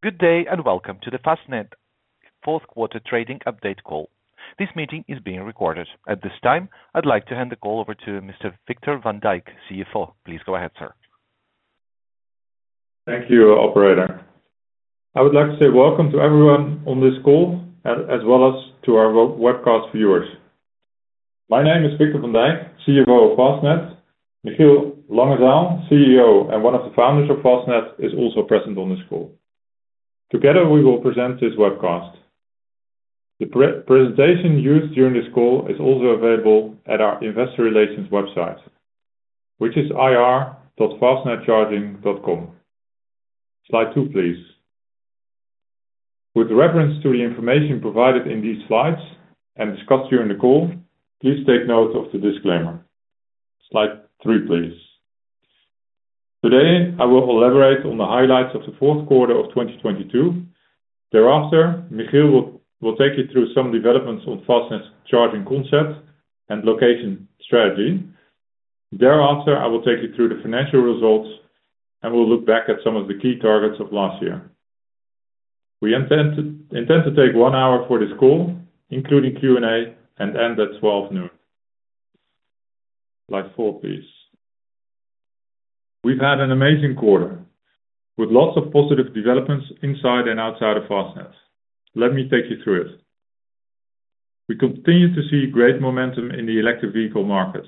Good day, and welcome to the Fastned Q4 trading update call. This meeting is being recorded. At this time, I'd like to hand the call over to Mr. Victor van Dijk, CFO. Please go ahead, sir. Thank you, operator. I would like to say welcome to everyone on this call as well as to our webcast viewers. My name is Victor van Dijk, CFO of Fastned. Michiel Langezaal, CEO, and one of the founders of Fastned is also present on this call. Together, we will present this webcast. The pre-presentation used during this call is also available at our investor relations website, which is ir.fastnedcharging.com. Slide two, please. With reference to the information provided in these slides and discussed during the call, please take note of the disclaimer. Slide three, please. Today, I will elaborate on the highlights of the Q4 of 2022. Thereafter, Michiel will take you through some developments on Fastned's charging concept and location strategy. Thereafter, I will take you through the financial results, and we'll look back at some of the key targets of last year. We intend to take one hour for this call, including Q&A, and end at 12:00 P.M. Slide four, please. We've had an amazing quarter with lots of positive developments inside and outside of Fastned. Let me take you through it. We continue to see great momentum in the electric vehicle markets.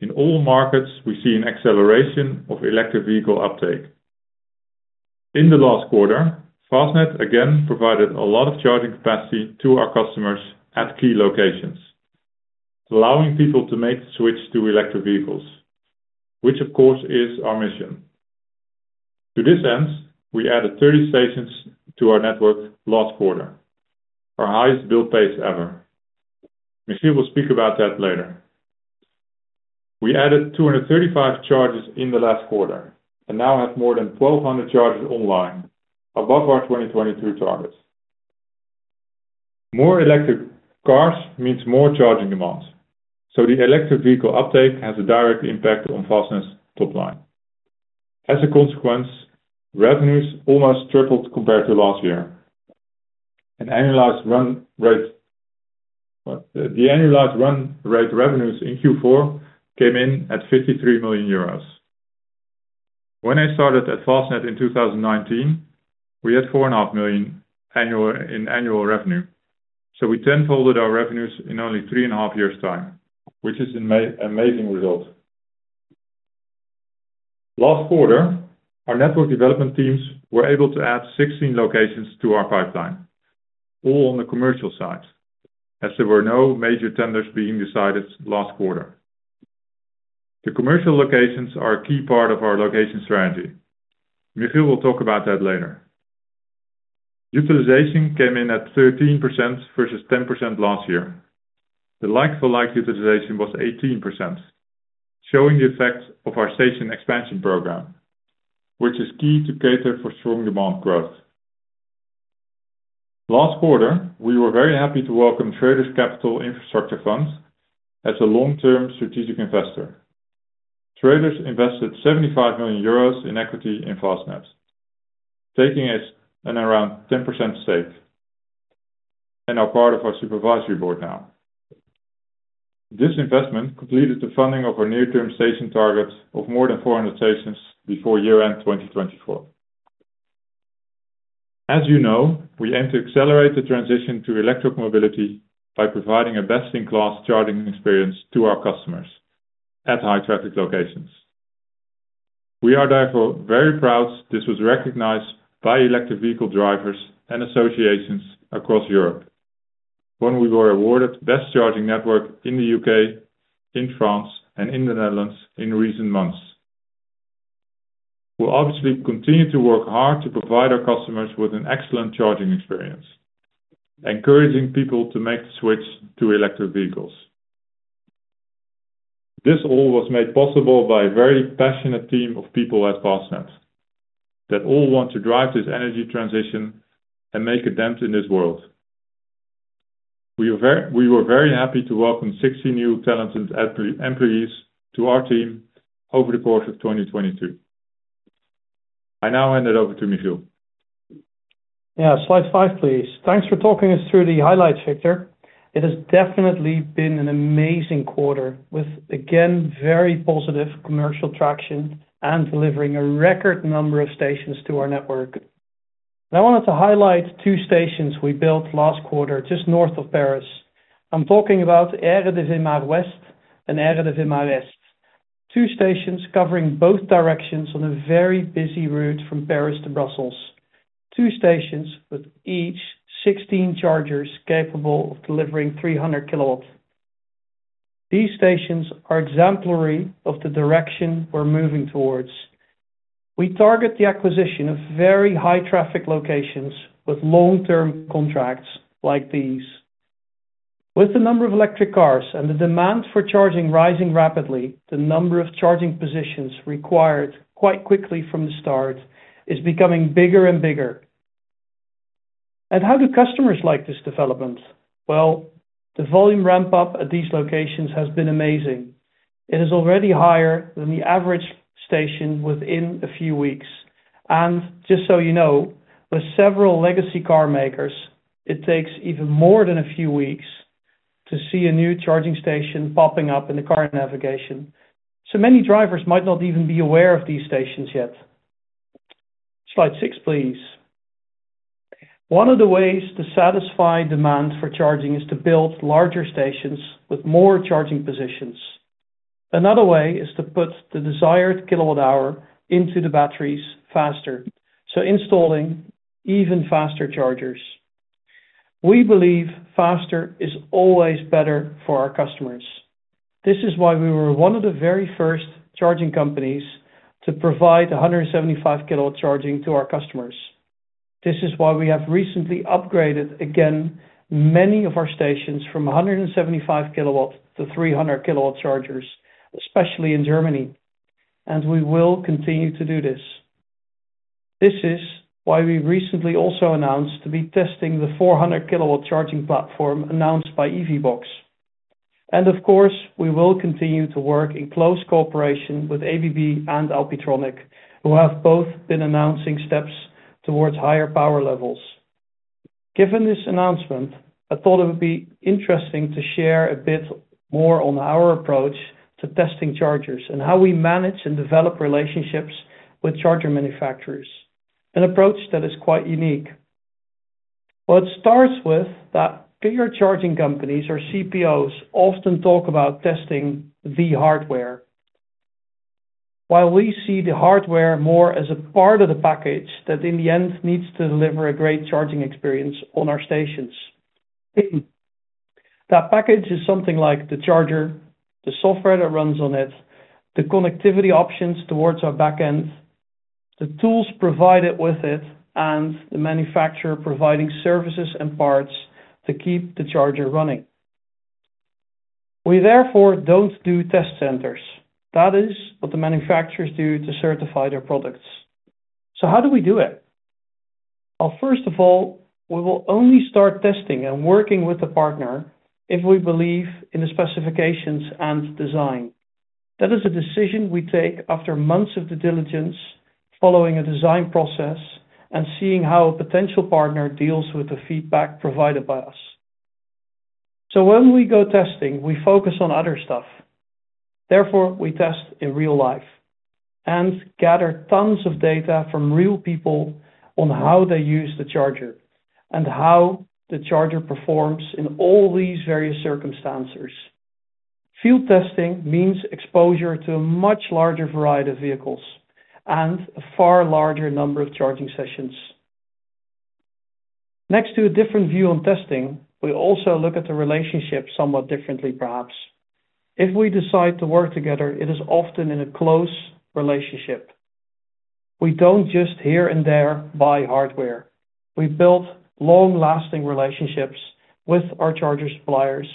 In all markets, we see an acceleration of electric vehicle uptake. In the last quarter, Fastned again provided a lot of charging capacity to our customers at key locations, allowing people to make the switch to electric vehicles, which of course, is our mission. To this end, we added 30 stations to our network last quarter, our highest build pace ever. Michiel will speak about that later. We added 235 chargers in the last quarter and now have more than 1,200 chargers online above our 2022 targets. More electric cars means more charging demands, the electric vehicle uptake has a direct impact on Fastned's top line. As a consequence, revenues almost tripled compared to last year. The annualized run rate revenues in Q4 came in at 53 million euros. When I started at Fastned in 2019, we had four and a half million in annual revenue, we ten-folded our revenues in only three and a half years' time, which is amazing result. Last quarter, our network development teams were able to add 16 locations to our pipeline, all on the commercial side, as there were no major tenders being decided last quarter. The commercial locations are a key part of our location strategy. Michiel will talk about that later. Utilization came in at 13% versus 10% last year. The like-for-like utilization was 18%, showing the effects of our station expansion program, which is key to cater for strong demand growth. Last quarter, we were very happy to welcome Schroders Capital Infrastructure Funds as a long-term strategic investor. Schroders invested 75 million euros in equity in Fastned, taking us at around 10% stake and are part of our supervisory board now. This investment completed the funding of our near-term station target of more than 400 stations before year-end 2024. As you know, we aim to accelerate the transition to electric mobility by providing a best-in-class charging experience to our customers at high traffic locations. We are therefore very proud this was recognized by electric vehicle drivers and associations across Europe when we were awarded best charging network in the U.K., in France, and in the Netherlands in recent months. We'll obviously continue to work hard to provide our customers with an excellent charging experience, encouraging people to make the switch to electric vehicles. This all was made possible by a very passionate team of people at Fastned that all want to drive this energy transition and make a dent in this world. We were very happy to welcome 60 new talented employees to our team over the course of 2022. I now hand it over to Michiel. Yeah. Slide five, please. Thanks for talking us through the highlights, Victor. It has definitely been an amazing quarter with, again, very positive commercial traction and delivering a record number of stations to our network. I wanted to highlight two stations we built last quarter just north of Paris. I'm talking about Aire de Vémars Ouest and Aire de Vémars Est. Two stations covering both directions on a very busy route from Paris to Brussels. Two stations with each 16 chargers capable of delivering 300 kilowatts. These stations are exemplary of the direction we're moving towards. We target the acquisition of very high traffic locations with long-term contracts like these. With the number of electric cars and the demand for charging rising rapidly, the number of charging positions required quite quickly from the start is becoming bigger and bigger. How do customers like this development? Well, the volume ramp up at these locations has been amazing. It is already higher than the average station within a few weeks. Just so you know, with several legacy car makers, it takes even more than a few weeks to see a new charging station popping up in the car navigation. Many drivers might not even be aware of these stations yet. Slide six, please. One of the ways to satisfy demand for charging is to build larger stations with more charging positions. Another way is to put the desired kilowatt-hour into the batteries faster, so installing even faster chargers. We believe faster is always better for our customers. This is why we were one of the very first charging companies to provide 175 kilowatt charging to our customers. This is why we have recently upgraded again many of our stations from 175 kW to 300 kW chargers, especially in Germany. We will continue to do this. This is why we recently also announced to be testing the 400 kW charging platform announced by EVBox. Of course, we will continue to work in close cooperation with ABB and Alpitronic, who have both been announcing steps towards higher power levels. Given this announcement, I thought it would be interesting to share a bit more on our approach to testing chargers and how we manage and develop relationships with charger manufacturers. An approach that is quite unique. Well, it starts with that bigger charging companies or CPOs often talk about testing the hardware. We see the hardware more as a part of the package that in the end needs to deliver a great charging experience on our stations. That package is something like the charger, the software that runs on it, the connectivity options towards our back end, the tools provided with it, and the manufacturer providing services and parts to keep the charger running. We therefore don't do test centers. That is what the manufacturers do to certify their products. How do we do it? Well, first of all, we will only start testing and working with the partner if we believe in the specifications and design. That is a decision we take after months of due diligence, following a design process, and seeing how a potential partner deals with the feedback provided by us. When we go testing, we focus on other stuff. Therefore, we test in real life and gather tons of data from real people on how they use the charger and how the charger performs in all these various circumstances. Field testing means exposure to a much larger variety of vehicles and a far larger number of charging sessions. Next to a different view on testing, we also look at the relationship somewhat differently, perhaps. If we decide to work together, it is often in a close relationship. We don't just here and there buy hardware. We build long-lasting relationships with our charger suppliers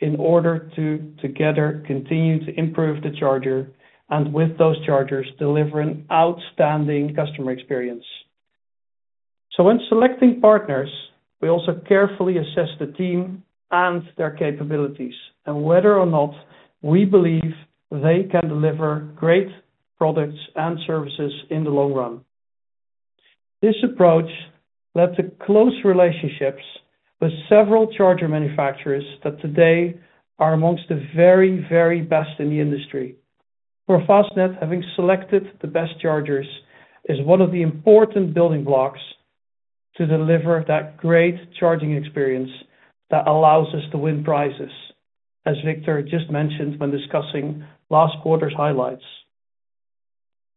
in order to together continue to improve the charger and with those chargers, deliver an outstanding customer experience. When selecting partners, we also carefully assess the team and their capabilities and whether or not we believe they can deliver great products and services in the long run. This approach led to close relationships with several charger manufacturers that today are amongst the very, very best in the industry. For Fastned, having selected the best chargers is one of the important building blocks to deliver that great charging experience that allows us to win prizes, as Victor just mentioned when discussing last quarter's highlights.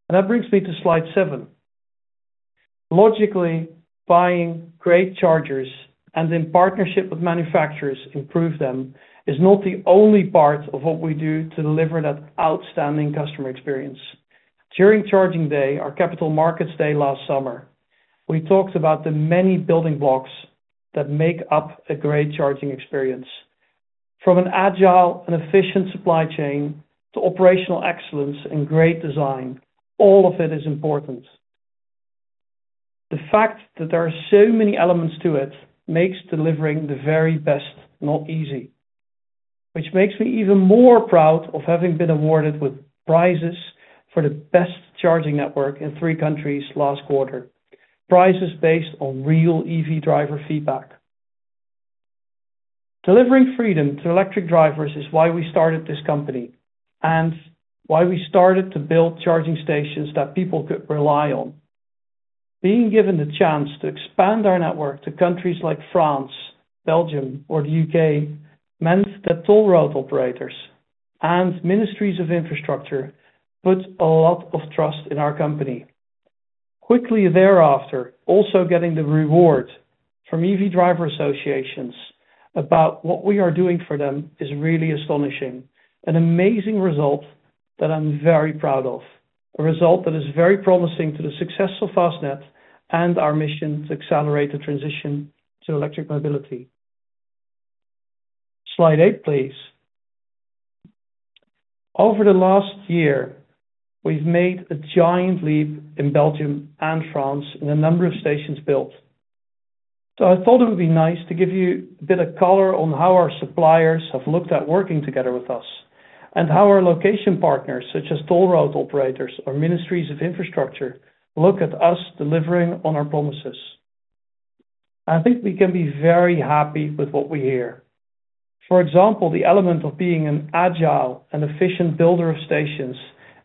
That brings me to slide seven. Logically, buying great chargers and in partnership with manufacturers improve them, is not the only part of what we do to deliver that outstanding customer experience. During Charging Day, our Capital Markets Day last summer, we talked about the many building blocks that make up a great charging experience. From an agile and efficient supply chain to operational excellence and great design, all of it is important. The fact that there are so many elements to it makes delivering the very best not easy. Which makes me even more proud of having been awarded with prizes for the best charging network in three countries last quarter. Prizes based on real EV driver feedback. Delivering freedom to electric drivers is why we started this company and why we started to build charging stations that people could rely on. Being given the chance to expand our network to countries like France, Belgium, or the U.K., meant that toll road operators and ministries of infrastructure put a lot of trust in our company. Quickly thereafter, also getting the reward from EV driver associations about what we are doing for them is really astonishing. An amazing result that I'm very proud of, a result that is very promising to the success of Fastned and our mission to accelerate the transition to electric mobility. Slide eight, please. Over the last year, we've made a giant leap in Belgium and France in the number of stations built. I thought it would be nice to give you a bit of color on how our suppliers have looked at working together with us and how our location partners, such as toll road operators or ministries of infrastructure, look at us delivering on our promises. I think we can be very happy with what we hear. For example, the element of being an agile and efficient builder of stations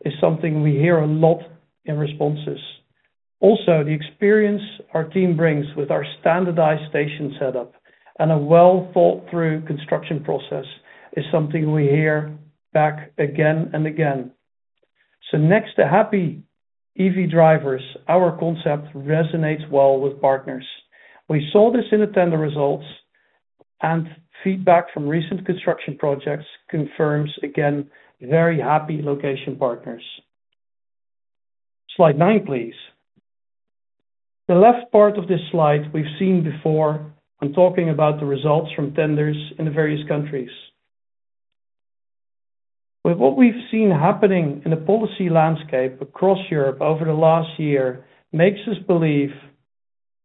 is something we hear a lot in responses. Also, the experience our team brings with our standardized station setup and a well-thought-through construction process is something we hear back again and again. Next to happy EV drivers, our concept resonates well with partners. We saw this in the tender results and feedback from recent construction projects confirms, again, very happy location partners. Slide nine, please. The left part of this slide we've seen before in talking about the results from tenders in the various countries. What we've seen happening in the policy landscape across Europe over the last year makes us believe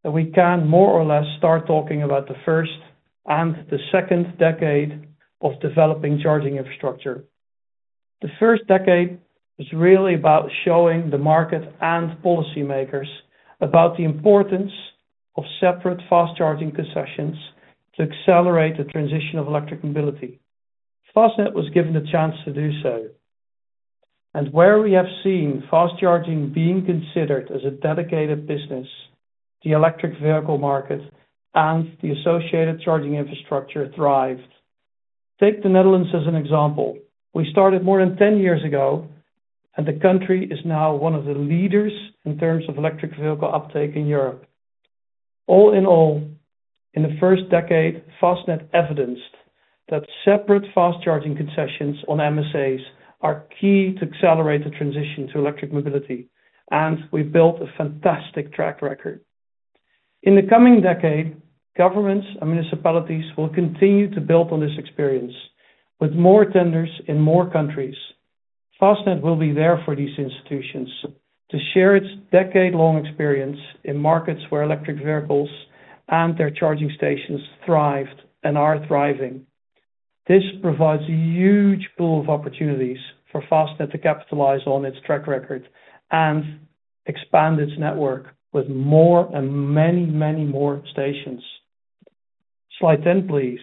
that we can more or less start talking about the first and the second decade of developing charging infrastructure. The first decade is really about showing the market and policymakers about the importance of separate fast charging concessions to accelerate the transition of electric mobility. Fastned was given the chance to do so, and where we have seen fast charging being considered as a dedicated business, the electric vehicle market and the associated charging infrastructure thrived. Take the Netherlands as an example. We started more than 10 years ago. The country is now one of the leaders in terms of electric vehicle uptake in Europe. All in all, in the first decade, Fastned evidenced that separate fast charging concessions on MSAs are key to accelerate the transition to electric mobility. We've built a fantastic track record. In the coming decade, governments and municipalities will continue to build on this experience with more tenders in more countries. Fastned will be there for these institutions to share its decade-long experience in markets where electric vehicles and their charging stations thrived and are thriving. This provides a huge pool of opportunities for Fastned to capitalize on its track record and expand its network with more and many, many more stations. Slide 10, please.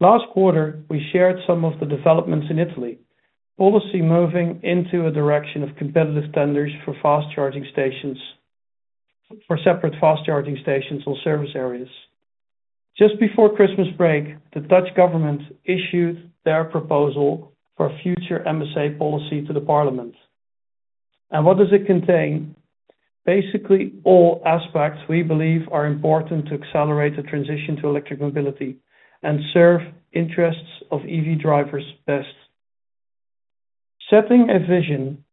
Last quarter, we shared some of the developments in Italy. Policy moving into a direction of competitive tenders for fast charging stations, for separate fast charging stations or service areas. Just before Christmas break, the Dutch government issued their proposal for future MSA policy to the parliament. What does it contain? Basically, all aspects we believe are important to accelerate the transition to electric mobility and serve interests of EV drivers best. Setting a vision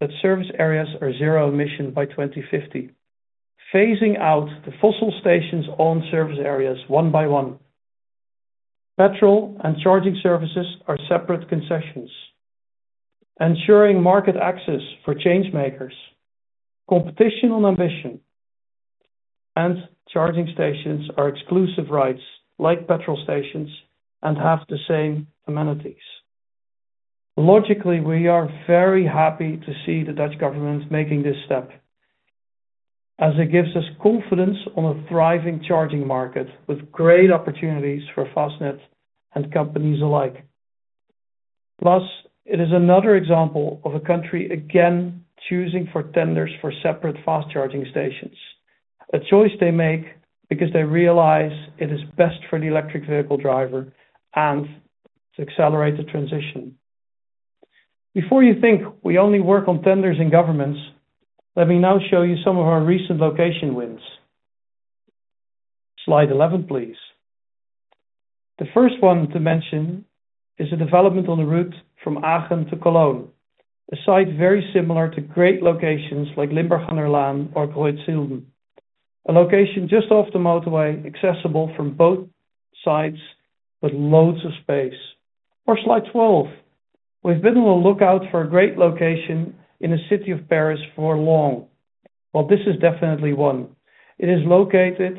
that service areas are zero emission by 2050, phasing out the fossil stations on service areas one by one. Petrol and charging services are separate concessions, ensuring market access for change makers. Competition on ambition and charging stations are exclusive rights like petrol stations and have the same amenities. Logically, we are very happy to see the Dutch government making this step as it gives us confidence on a thriving charging market with great opportunities for Fastned and companies alike. It is another example of a country, again, choosing for tenders for separate fast charging stations. A choice they make because they realize it is best for the electric vehicle driver and to accelerate the transition. Before you think we only work on tenders and governments, let me now show you some of our recent location wins. Slide 11, please. The first one to mention is the development on the route from Aachen to Cologne, a site very similar to great locations like Limburglaan or Kreuz Hilden. A location just off the motorway, accessible from both sides with loads of space. Slide 12. We've been on the lookout for a great location in the city of Paris for long. Well, this is definitely one. It is located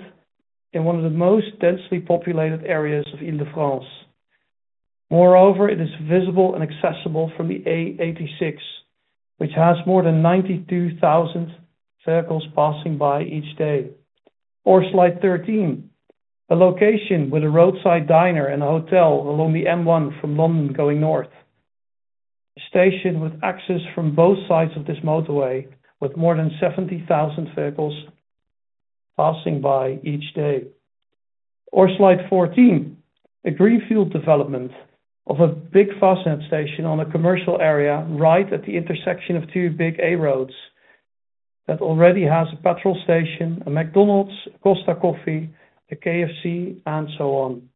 in one of the most densely populated areas of Ile-de-France. Moreover, it is visible and accessible from the A 86, which has more than 92,000 vehicles passing by each day. Slide 13, a location with a roadside diner and a hotel along the M1 from London going north. A station with access from both sides of this motorway with more than 70,000 vehicles passing by each day. Slide 14, a greenfield development of a big Fastned station on a commercial area right at the intersection of two big A roads that already has a petrol station, a McDonald's, a Costa Coffee, a KFC, and so on.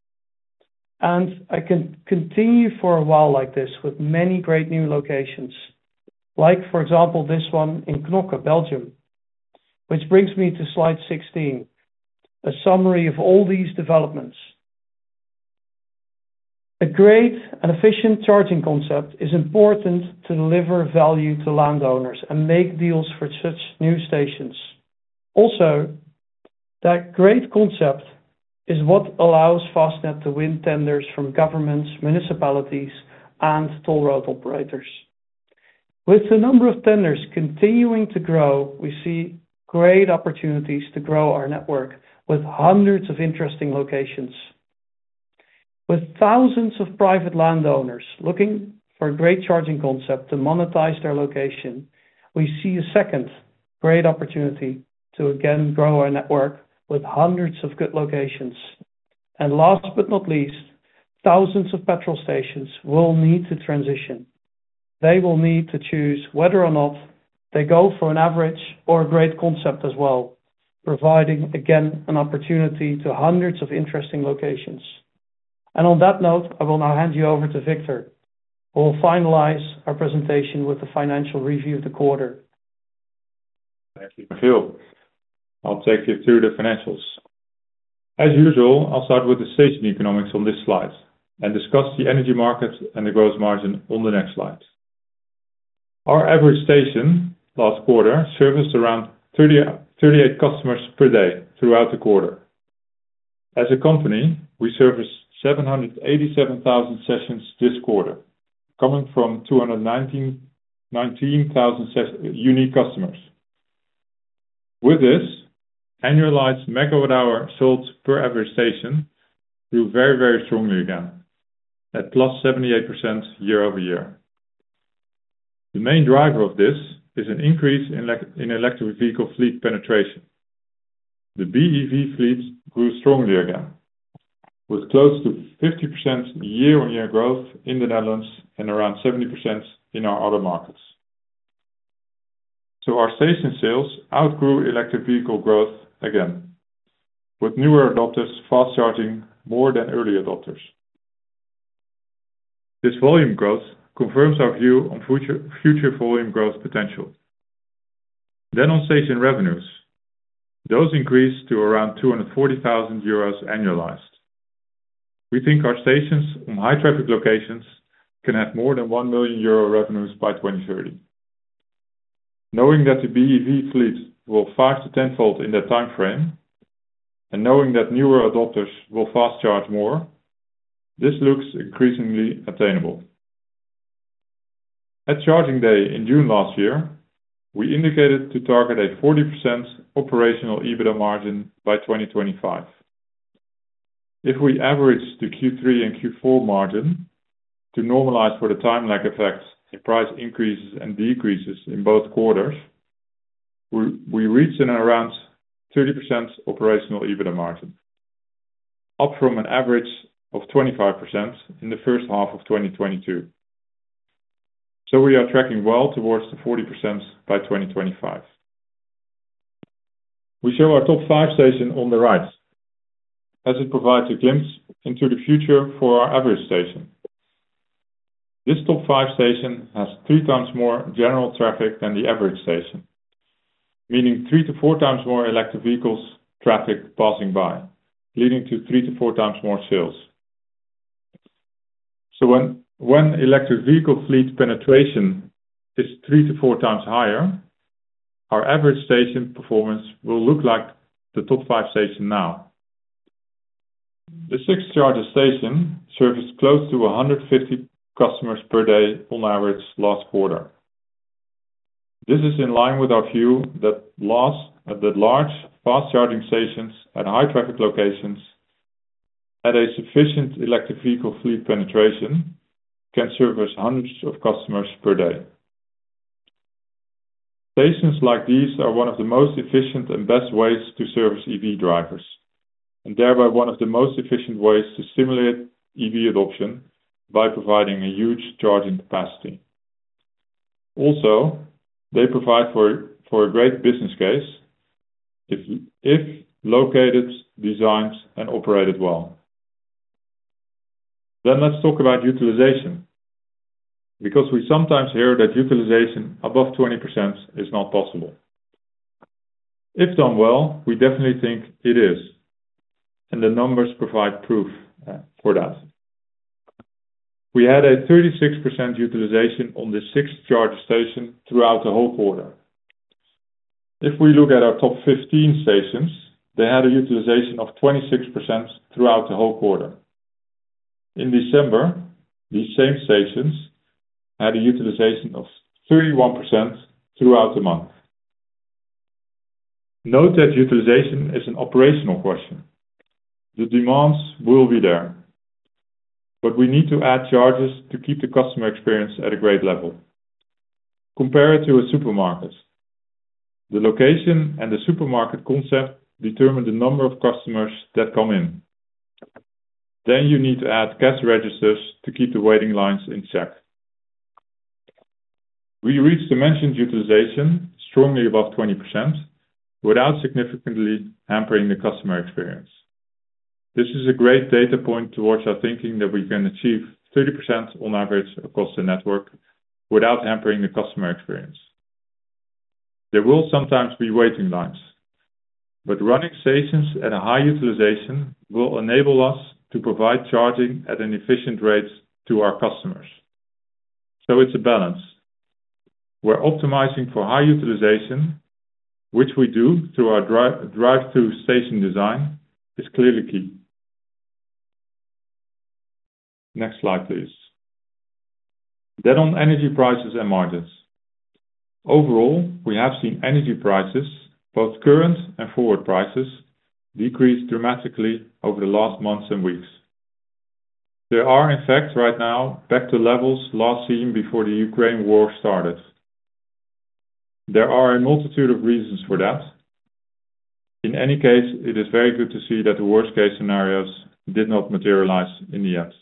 I can continue for a while like this with many great new locations. Like for example, this one in Knokke, Belgium. Brings me to slide 16, a summary of all these developments. A great and efficient charging concept is important to deliver value to landowners and make deals for such new stations. That great concept is what allows Fastned to win tenders from governments, municipalities, and toll road operators. With the number of tenders continuing to grow, we see great opportunities to grow our network with hundreds of interesting locations. With thousands of private landowners looking for a great charging concept to monetize their location, we see a second great opportunity to again grow our network with hundreds of good locations. Last but not least, thousands of petrol stations will need to transition. They will need to choose whether or not they go for an average or a great concept as well, providing again an opportunity to hundreds of interesting locations. On that note, I will now hand you over to Victor, who will finalize our presentation with the financial review of the quarter. Thank you, Michiel. I'll take you through the financials. As usual, I'll start with the station economics on this slide and discuss the energy market and the growth margin on the next slide. Our average station last quarter serviced around 38 customers per day throughout the quarter. As a company, we serviced 787,000 sessions this quarter, coming from 219,000 unique customers. With this, annualized megawatt-hour sold per average station grew very strongly again at +78% year-over-year. The main driver of this is an increase in electric vehicle fleet penetration. The BEV fleet grew strongly again, with close to 50% year-on-year growth in the Netherlands and around 70% in our other markets. Our station sales outgrew electric vehicle growth again, with newer adopters fast charging more than early adopters. This volume growth confirms our view on future volume growth potential. On station revenues, those increased to around 240,000 euros annualized. We think our stations in high traffic locations can have more than 1 million euro revenues by 2030. Knowing that the BEV fleet will 5 to 10-fold in that time frame, and knowing that newer adopters will fast charge more, this looks increasingly attainable. At Charging Day in June last year, we indicated to target a 40% operational EBITA margin by 2025. If we average the Q3 and Q4 margin to normalize for the time lag effects, the price increases and decreases in both quarters, we reach an around 30% operational EBITA margin, up from an average of 25% in the first half of 2022. We are tracking well towards the 40% by 2025. We show our top five station on the right as it provides a glimpse into the future for our average station. This top five station has three times more general traffic than the average station, meaning three to four times more electric vehicles traffic passing by, leading to three to four times more sales. When electric vehicle fleet penetration is three to four times higher, our average station performance will look like the top five station now. The sixth charger station serviced close to 150 customers per day on average last quarter. This is in line with our view that Fastned's large fast charging stations at high traffic locations at a sufficient electric vehicle fleet penetration can service hundreds of customers per day. Stations like these are one of the most efficient and best ways to service EV drivers, and thereby one of the most efficient ways to stimulate EV adoption by providing a huge charging capacity. They provide for a great business case if located, designed and operated well. Let's talk about utilization, because we sometimes hear that utilization above 20% is not possible. If done well, we definitely think it is, and the numbers provide proof for that. We had a 36% utilization on the 6th charge station throughout the whole quarter. If we look at our top 15 stations, they had a utilization of 26% throughout the whole quarter. In December, these same stations had a utilization of 31% throughout the month. Note that utilization is an operational question. The demands will be there, we need to add charges to keep the customer experience at a great level. Compare it to a supermarket. The location and the supermarket concept determine the number of customers that come in. You need to add cash registers to keep the waiting lines in check. We reached the mentioned utilization strongly above 20% without significantly hampering the customer experience. This is a great data point towards our thinking that we can achieve 30% on average across the network without hampering the customer experience. There will sometimes be waiting lines, running stations at a high utilization will enable us to provide charging at an efficient rate to our customers. It's a balance. We're optimizing for high utilization, which we do through our drive-through station design is clearly key. Next slide, please. On energy prices and margins. Overall, we have seen energy prices, both current and forward prices, decrease dramatically over the last months and weeks. They are, in fact, right now back to levels last seen before the Ukraine war started. There are a multitude of reasons for that. In any case, it is very good to see that the worst case scenarios did not materialize in the end.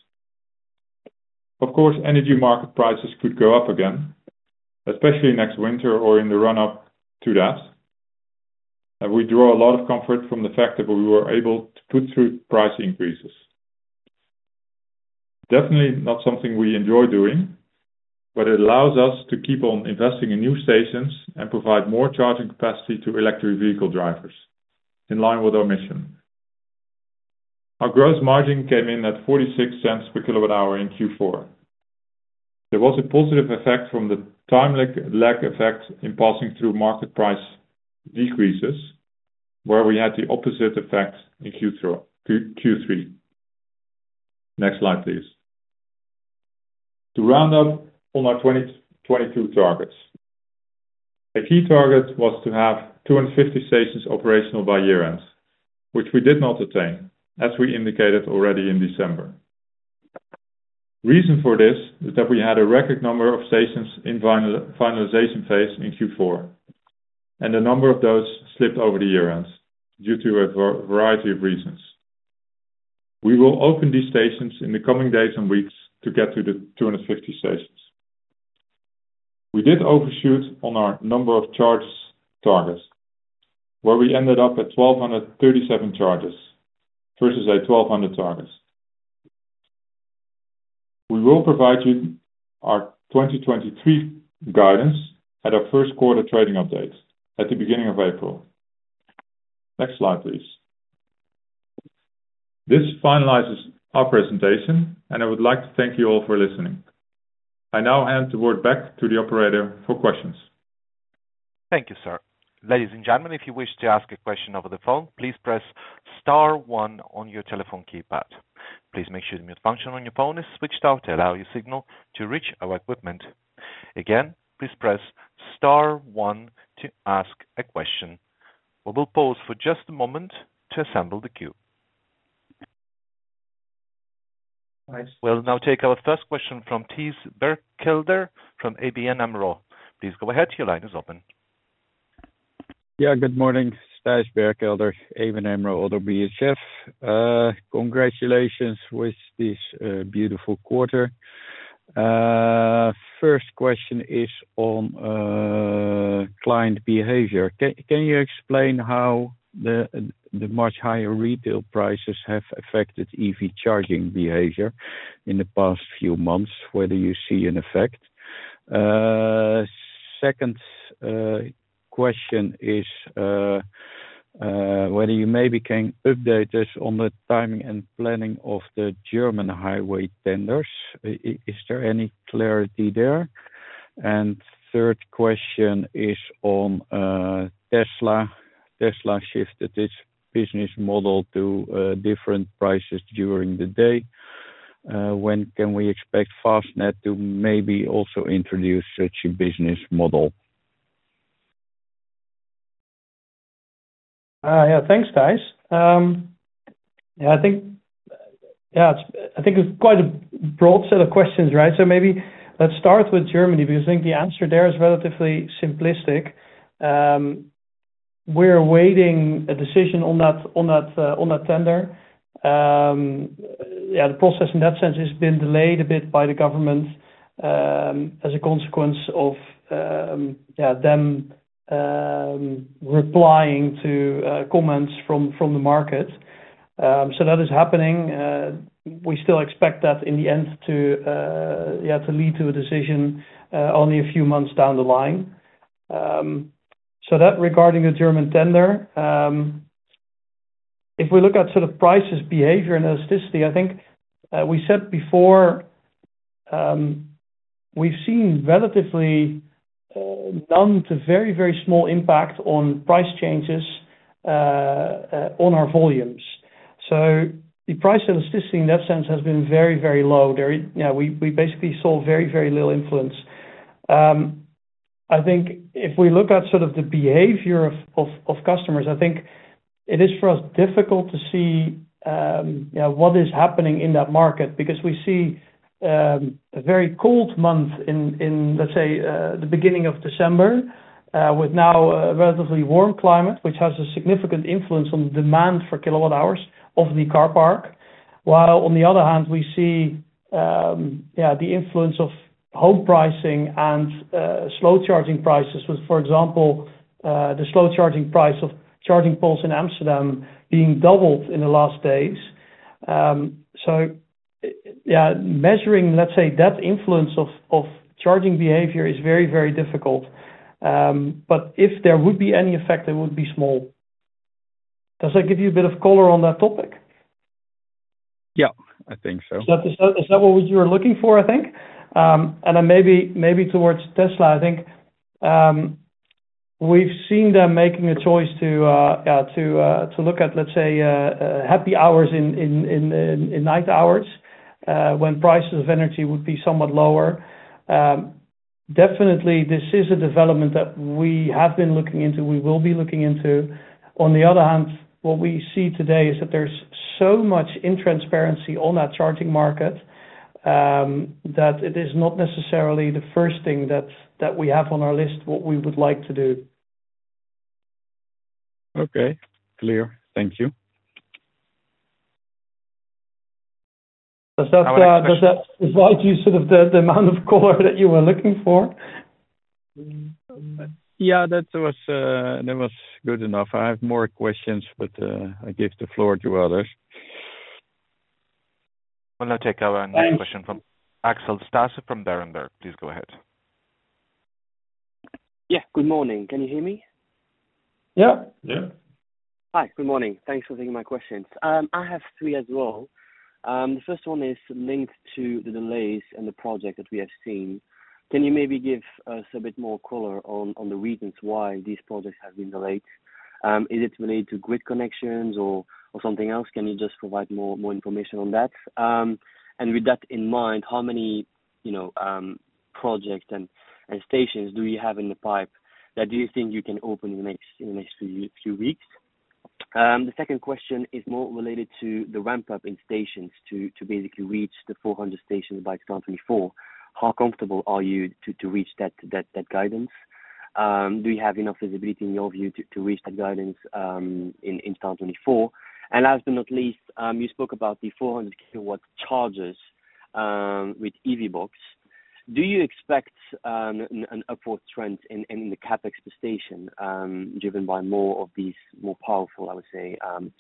Of course, energy market prices could go up again, especially next winter or in the run-up to that. We draw a lot of comfort from the fact that we were able to put through price increases. Definitely not something we enjoy doing, but it allows us to keep on investing in new stations and provide more charging capacity to electric vehicle drivers in line with our mission. Our gross margin came in at 0.46 per kilowatt-hour in Q4. There was a positive effect from the timely lag effect in passing through market price decreases, where we had the opposite effect in Q3. Next slide, please. To round up on our 2022 targets. A key target was to have 250 stations operational by year-end, which we did not attain as we indicated already in December. Reason for this is that we had a record number of stations in finalization phase in Q4, and a number of those slipped over the year-end due to a variety of reasons. We will open these stations in the coming days and weeks to get to the 250 stations. We did overshoot on our number of charge targets, where we ended up at 1,237 charges versus a 1,200 targets. We will provide you our 2023 guidance at our Q1 trading update at the beginning of April. Next slide, please. This finalizes our presentation. I would like to thank you all for listening. I now hand the word back to the operator for questions. Thank you, sir. Ladies and gentlemen, if you wish to ask a question over the phone, please press star one on your telephone keypad. Please make sure the mute function on your phone is switched off to allow your signal to reach our equipment. Again, please press star one to ask a question. We will pause for just a moment to assemble the queue. We'll now take our first question from Thijs Berkelder from ABN-Amro. Please go ahead. Your line is open. Good morning, Thijs Berkelder, ABN-Amro, ODDO BHF. Congratulations with this, beautiful quarter. First question is on, client behavior. Can you explain how the much higher retail prices have affected EV charging behavior in the past few months? Whether you see an effect? Second, question is, whether you maybe can update us on the timing and planning of the German highway tenders. Is there any clarity there? Third question is on, Tesla. Tesla shifted its business model to, different prices during the day. When can we expect Fastned to maybe also introduce such a business model? Thanks, Thijs. I think it's quite a broad set of questions, right? Maybe let's start with Germany, because I think the answer there is relatively simplistic. We're awaiting a decision on that tender. The process in that sense has been delayed a bit by the government, as a consequence of them replying to comments from the market. That is happening. We still expect that in the end to lead to a decision only a few months down the line. That regarding the German tender. If we look at sort of prices, behavior and elasticity, I think, we said before, we've seen relatively, none to very, very small impact on price changes, on our volumes. The price elasticity in that sense has been very, very low. We basically saw very, very little influence. I think if we look at sort of the behavior of customers, I think it is, for us, difficult to see, you know, what is happening in that market because we see a very cold month in, let's say, the beginning of December, with now a relatively warm climate, which has a significant influence on demand for kilowatt-hours of the car park. While on the other hand, we see the influence of home pricing and slow charging prices. With, for example, the slow charging price of charging poles in Amsterdam being doubled in the last days. Measuring, let's say, that influence of charging behavior is very, very difficult. If there would be any effect, it would be small. Does that give you a bit of color on that topic? Yeah, I think so. Is that what you were looking for, I think? Then maybe towards Tesla, I think, we've seen them making a choice to look at, let's say, happy hours in night hours, when prices of energy would be somewhat lower. Definitely this is a development that we have been looking into, we will be looking into. On the other hand, what we see today is that there's so much intransparency on that charging market, that it is not necessarily the first thing that we have on our list, what we would like to do. Okay, clear. Thank you. Does that, does that provide you sort of the amount of color that you were looking for? Yeah, that was good enough. I have more questions, I give the floor to others. We'll now take our next question from Lasse Stueben from Berenberg. Please go ahead. Yeah. Good morning. Can you hear me? Yeah. Yeah. Hi. Good morning. Thanks for taking my questions. I have three as well. The first one is linked to the delays in the project that we have seen. Can you maybe give us a bit more color on the reasons why these projects have been delayed? Is it related to grid connections or something else? Can you just provide more information on that? With that in mind, how many, you know, projects and stations do you have in the pipe that you think you can open in the next few weeks? The second question is more related to the ramp-up in stations to basically reach the 400 stations by 2024. How comfortable are you to reach that guidance? Do you have enough visibility in your view to reach that guidance in 2024? Last but not least, you spoke about the 400 kilowatt chargers with EVBox. Do you expect an upward trend in the CapEx per station, driven by more of these more powerful, I would say,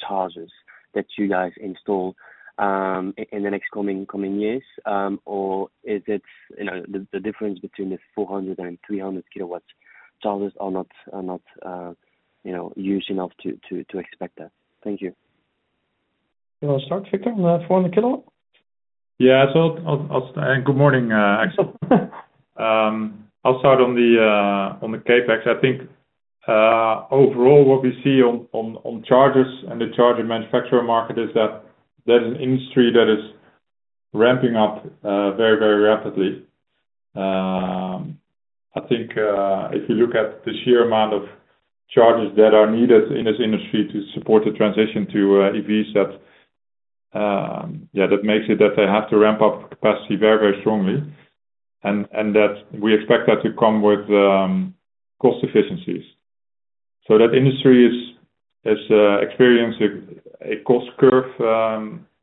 chargers that you guys install in the next coming years? Or is it, you know, the difference between the 400 and 300 kilowatts chargers are not, you know, used enough to expect that? Thank you. You wanna start, Victor? On the 400 kW. Good morning, Lasse. I'll start on the CapEx. I think overall, what we see on chargers and the charger manufacturer market is that there's an industry that is ramping up very, very rapidly. I think if you look at the sheer amount of chargers that are needed in this industry to support the transition to EVs, that, yeah, that makes it that they have to ramp up capacity very, very strongly and that we expect that to come with cost efficiencies. That industry is experiencing a cost curve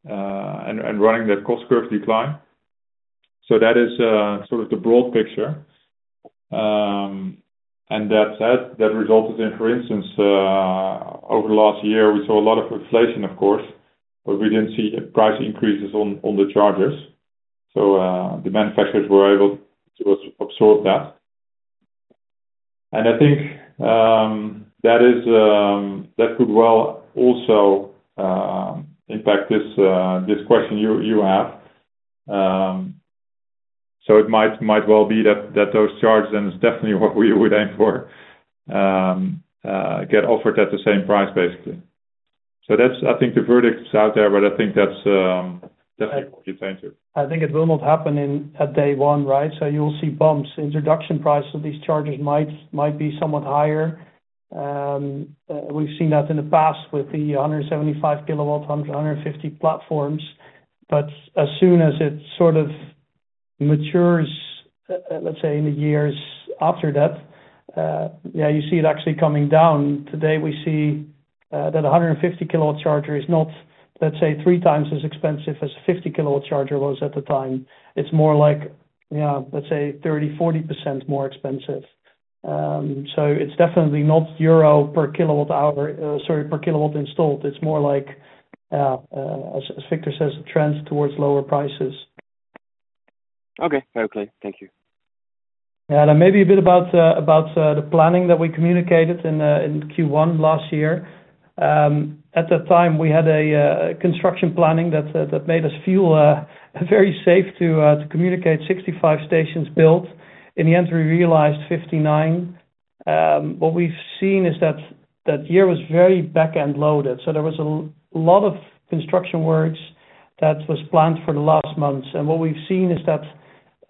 and running that cost curve decline. That is sort of the broad picture. That said, that resulted in, for instance, over the last year, we saw a lot of inflation of course, but we didn't see price increases on the chargers. The manufacturers were able to absorb that. I think that could well also impact this question you have. It might well be that those chargers, and it's definitely what we would aim for, get offered at the same price basically. That's, I think, the verdict's out there, but I think that's definitely what we're trying to I think it will not happen in, at day one, right? You'll see bumps. Introduction price of these chargers might be somewhat higher. We've seen that in the past with the 175 kilowatt times 150 platforms. As soon as it sort of matures, let's say in the years after that, you see it actually coming down. Today, we see that a 150 kilowatt charger is not, let's say, 3 times as expensive as a 50 kilowatt charger was at the time. It's more like, let's say 30% to 40% more expensive. It's definitely not euro per kilowatt hour, sorry, per kilowatt installed. It's more like, as Victor says, it trends towards lower prices. Okay. All clear. Thank you. Maybe a bit about the planning that we communicated in Q1 last year. At that time, we had a construction planning that made us feel very safe to communicate 65 stations built. In the end, we realized 59. What we've seen is that that year was very back-end loaded, so there was a lot of construction works that was planned for the last months. What we've seen is that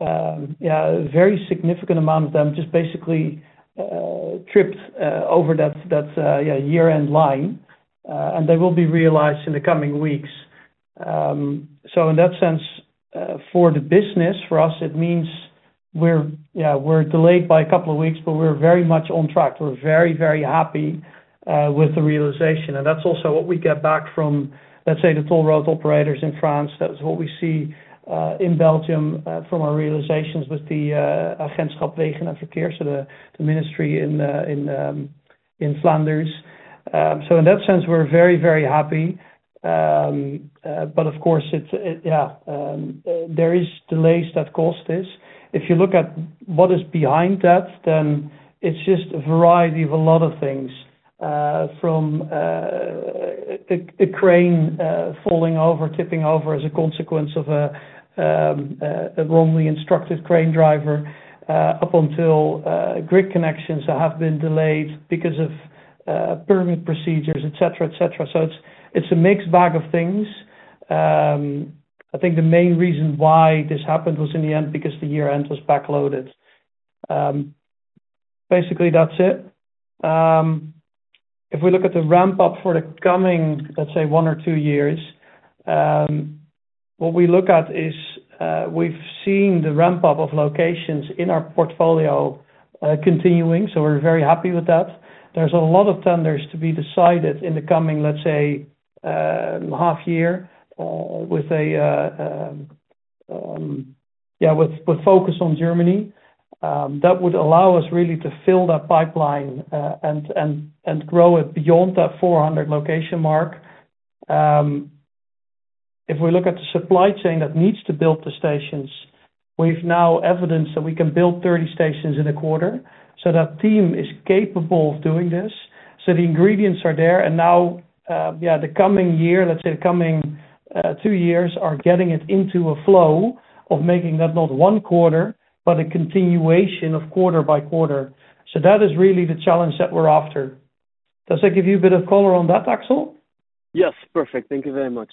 a very significant amount of them just basically tripped over that year-end line. They will be realized in the coming weeks. So in that sense, for the business, for us, it means, we're delayed by a couple of weeks, but we're very much on track. We're very, very happy with the realization. That's also what we get back from, let's say, the toll road operators in France. That is what we see in Belgium from our realizations with the Agentschap Wegen en Verkeer, so the ministry in the in Flanders. In that sense, we're very, very happy. Of course, it's, it, yeah, there is delays that cost this. If you look at what is behind that, it's just a variety of a lot of things from a crane falling over, tipping over as a consequence of a wrongly instructed crane driver, up until grid connections that have been delayed because of permit procedures, et cetera, et cetera. It's a mixed bag of things. I think the main reason why this happened was in the end because the year-end was backloaded. Basically, that's it. If we look at the ramp up for the coming, let's say, one or two years, what we look at is, we've seen the ramp up of locations in our portfolio, continuing, so we're very happy with that. There's a lot of tenders to be decided in the coming, let's say, half year, with a, yeah, with focus on Germany. That would allow us really to fill that pipeline, and grow it beyond that 400 location mark. If we look at the supply chain that needs to build the stations, we've now evidenced that we can build 30 stations in a quarter. That team is capable of doing this. The ingredients are there. Now, the coming year, let's say the coming, two years, are getting it into a flow of making that not one quarter, but a continuation of quarter by quarter. That is really the challenge that we're after. Does that give you a bit of color on that, Lasse? Yes. Perfect. Thank you very much.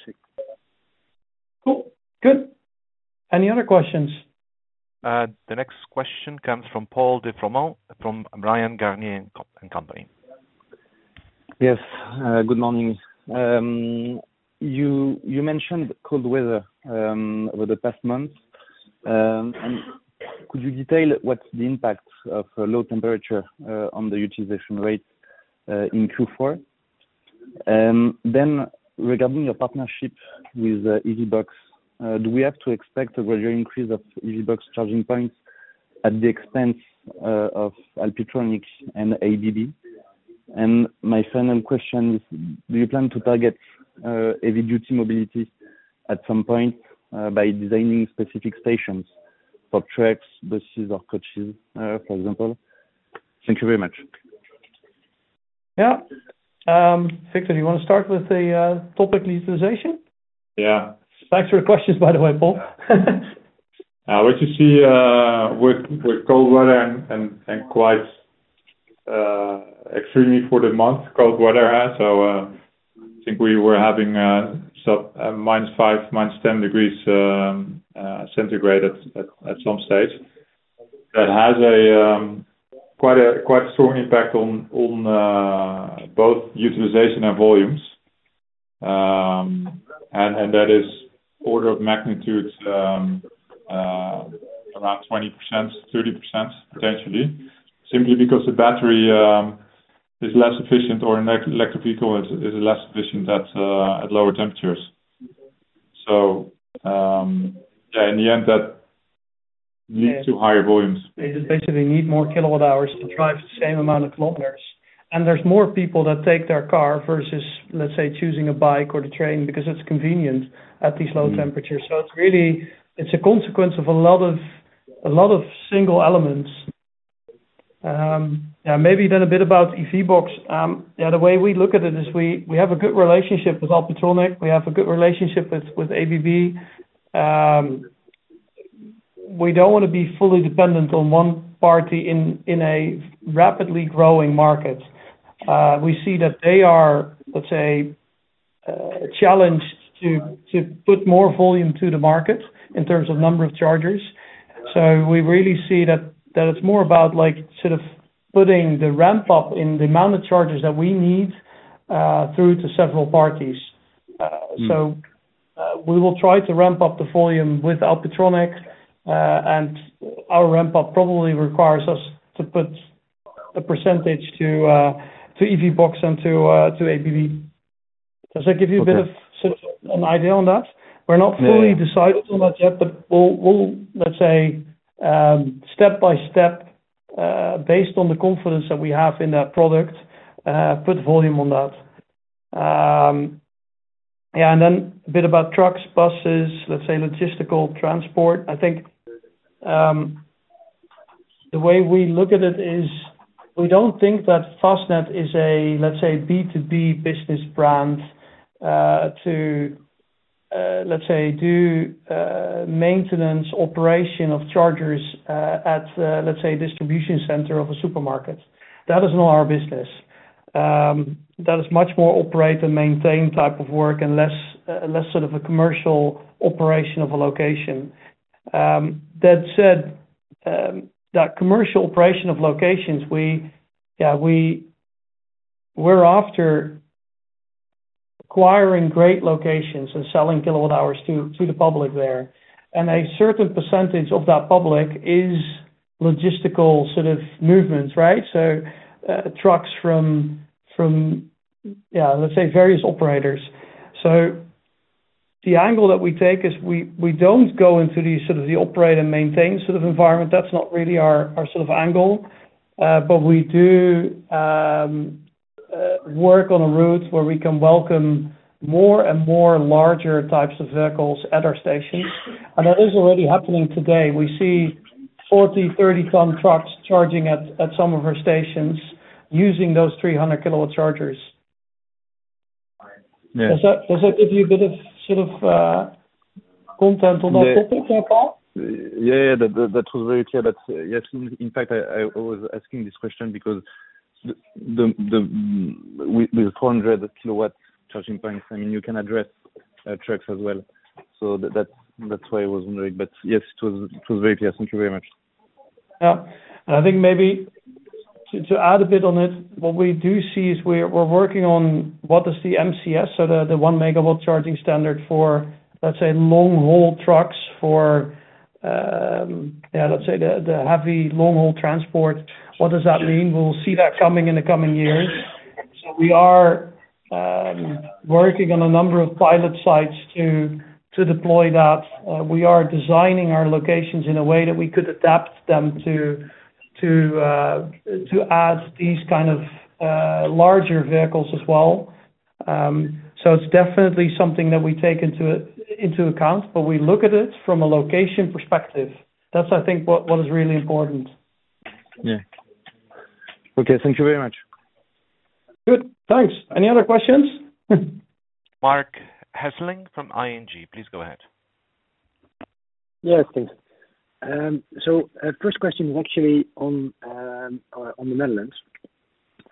Cool. Good. Any other questions? The next question comes from Paul de Froment from Bryan, Garnier & Co. Yes. Good morning. You, you mentioned cold weather over the past month. Could you detail what's the impact of low temperature on the utilization rate in Q4? Regarding your partnership with EVBox, do we have to expect a greater increase of EVBox charging points at the expense of Alpitronic and ABB? My final question is, do you plan to target heavy-duty mobility at some point by designing specific stations for trucks, buses, or coaches, for example? Thank you very much. Victor, do you wanna start with the topic utilization? Yeah. Thanks for the questions, by the way, Paul. What you see with cold weather and quite extremely for the month, cold weather has. I think we were having minus 5, minus 10 degrees centigrade at some stage. That has a quite a strong impact on both utilization and volumes. That is order of magnitude around 20%, 30%, potentially. Simply because the battery is less efficient or an electric vehicle is less efficient at lower temperatures. In the end, that leads to higher volumes. They just basically need more kilowatt-hours to drive the same amount of kilometers. There's more people that take their car versus, let's say, choosing a bike or the train because it's convenient at these low temperatures. It's really, it's a consequence of a lot of, a lot of single elements. Yeah, maybe then a bit about EVBox. Yeah, the way we look at it is we have a good relationship with Alpitronic. We have a good relationship with ABB. We don't wanna be fully dependent on one party in a rapidly growing market. We see that they are, let's say, challenged to put more volume to the market in terms of number of chargers. We really see that it's more about, like, sort of putting the ramp up in the amount of chargers that we need through to several parties. We will try to ramp up the volume with Alpitronic, and our ramp up probably requires us to put a percentage to EVBox and to ABB. Does that give you a bit? Okay. an idea on that? We're not Yeah. fully decided on that yet, but we'll, let's say, step by step, based on the confidence that we have in that product, put volume on that. A bit about trucks, buses, let's say logistical transport. I think, the way we look at it is we don't think that Fastned is a, let's say, B2B business brand, to, let's say, do, maintenance, operation of chargers, at, let's say, a distribution center of a supermarket. That is not our business. That is much more operate and maintain type of work and less, less sort of a commercial operation of a location. That said, that commercial operation of locations, we're after acquiring great locations and selling kilowatt-hours to the public there. A certain percentage of that public is logistical sort of movements, right? Trucks from, let's say various operators. The angle that we take is we don't go into these sort of the operate and maintain sort of environment. That's not really our sort of angle. We do work on a route where we can welcome more and more larger types of vehicles at our stations. That is already happening today. We see 40, 30-ton trucks charging at some of our stations using those 300 kilowatt chargers. Yeah. Does that give you a bit of, sort of, content on that topic at all? Yeah. That was very clear. That's. Yes, in fact, I was asking this question because with 400 kilowatt charging points, I mean, you can address trucks as well. That's why I was wondering. Yes, it was very clear. Thank you very much. Yeah. I think maybe to add a bit on it, what we do see is we're working on what is the MCS, so the 1 megawatt charging standard for long-haul trucks for the heavy long-haul transport. What does that mean? We'll see that coming in the coming years. We are working on a number of pilot sites to deploy that. We are designing our locations in a way that we could adapt them to add these kind of larger vehicles as well. It's definitely something that we take into account, but we look at it from a location perspective. That's, I think, what is really important. Yeah. Okay. Thank you very much. Good. Thanks. Any other questions? Marc Hesselink from ING, please go ahead. Yes, please. First question is actually on the Netherlands.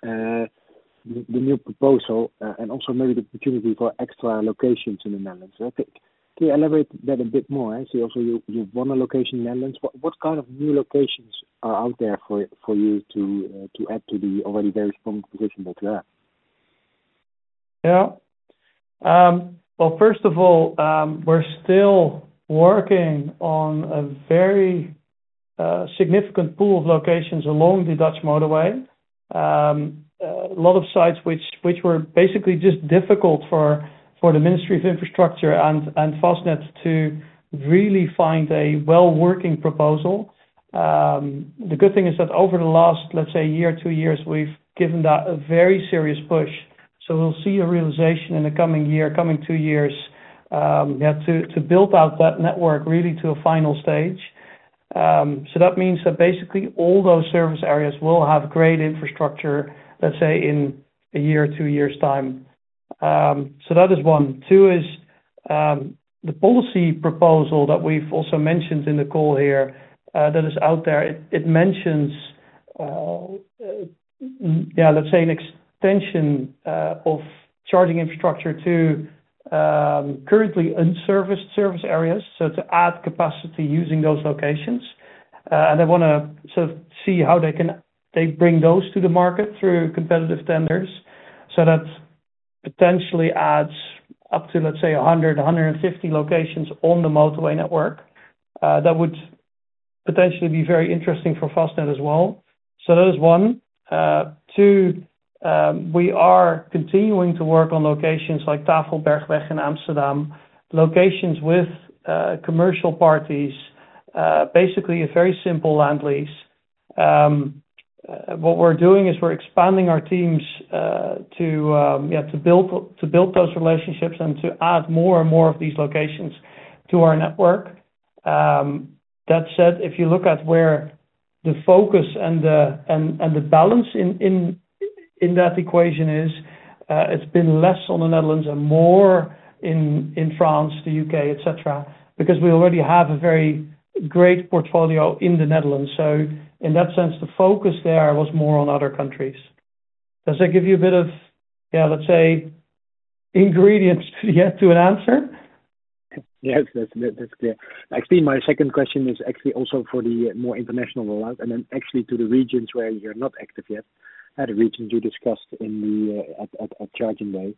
The new proposal and also maybe the opportunity for extra locations in the Netherlands. I think can you elaborate that a bit more? I see also you won a location in the Netherlands, what kind of new locations are out there for you to add to the already very strong position that you have? Yeah. Well, first of all, we're still working on a very significant pool of locations along the Dutch motorway. A lot of sites which were basically just difficult for the Ministry of Infrastructure and Fastned to really find a well-working proposal. The good thing is that over the last, let's say, year or two years, we've given that a very serious push. We'll see a realization in the coming year, coming two years, yeah, to build out that network really to a final stage. That means that basically all those service areas will have great infrastructure, let's say, in a year or two years' time. That is one. Two is the policy proposal that we've also mentioned in the call here, that is out there. It mentions yeah, let's say an extension of charging infrastructure to currently unserviced service areas, so to add capacity using those locations. They wanna sort of see how they bring those to the market through competitive tenders. That potentially adds up to, let's say, 150 locations on the motorway network, that would potentially be very interesting for Fastned as well. That is one. Two, we are continuing to work on locations like Tafelbergweg in Amsterdam, locations with commercial parties, basically a very simple land lease. What we're doing is we're expanding our teams, to build those relationships and to add more and more of these locations to our network. That said, if you look at where the focus and the balance in that equation is, it's been less on the Netherlands and more in France, the U.K., et cetera, because we already have a very great portfolio in the Netherlands. In that sense, the focus there was more on other countries. Does that give you a bit of, let's say, ingredients to an answer? Yes. That's clear. Actually, my second question is actually also for the more international rollout and then actually to the regions where you're not active yet. Other regions you discussed in the at Charging Day.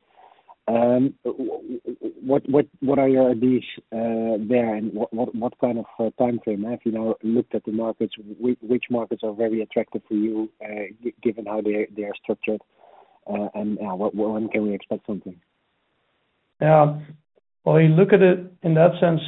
What are your ideas there and what kind of timeframe? Have you now looked at the markets? Which markets are very attractive for you given how they are structured and when can we expect something? Well, you look at it in that sense,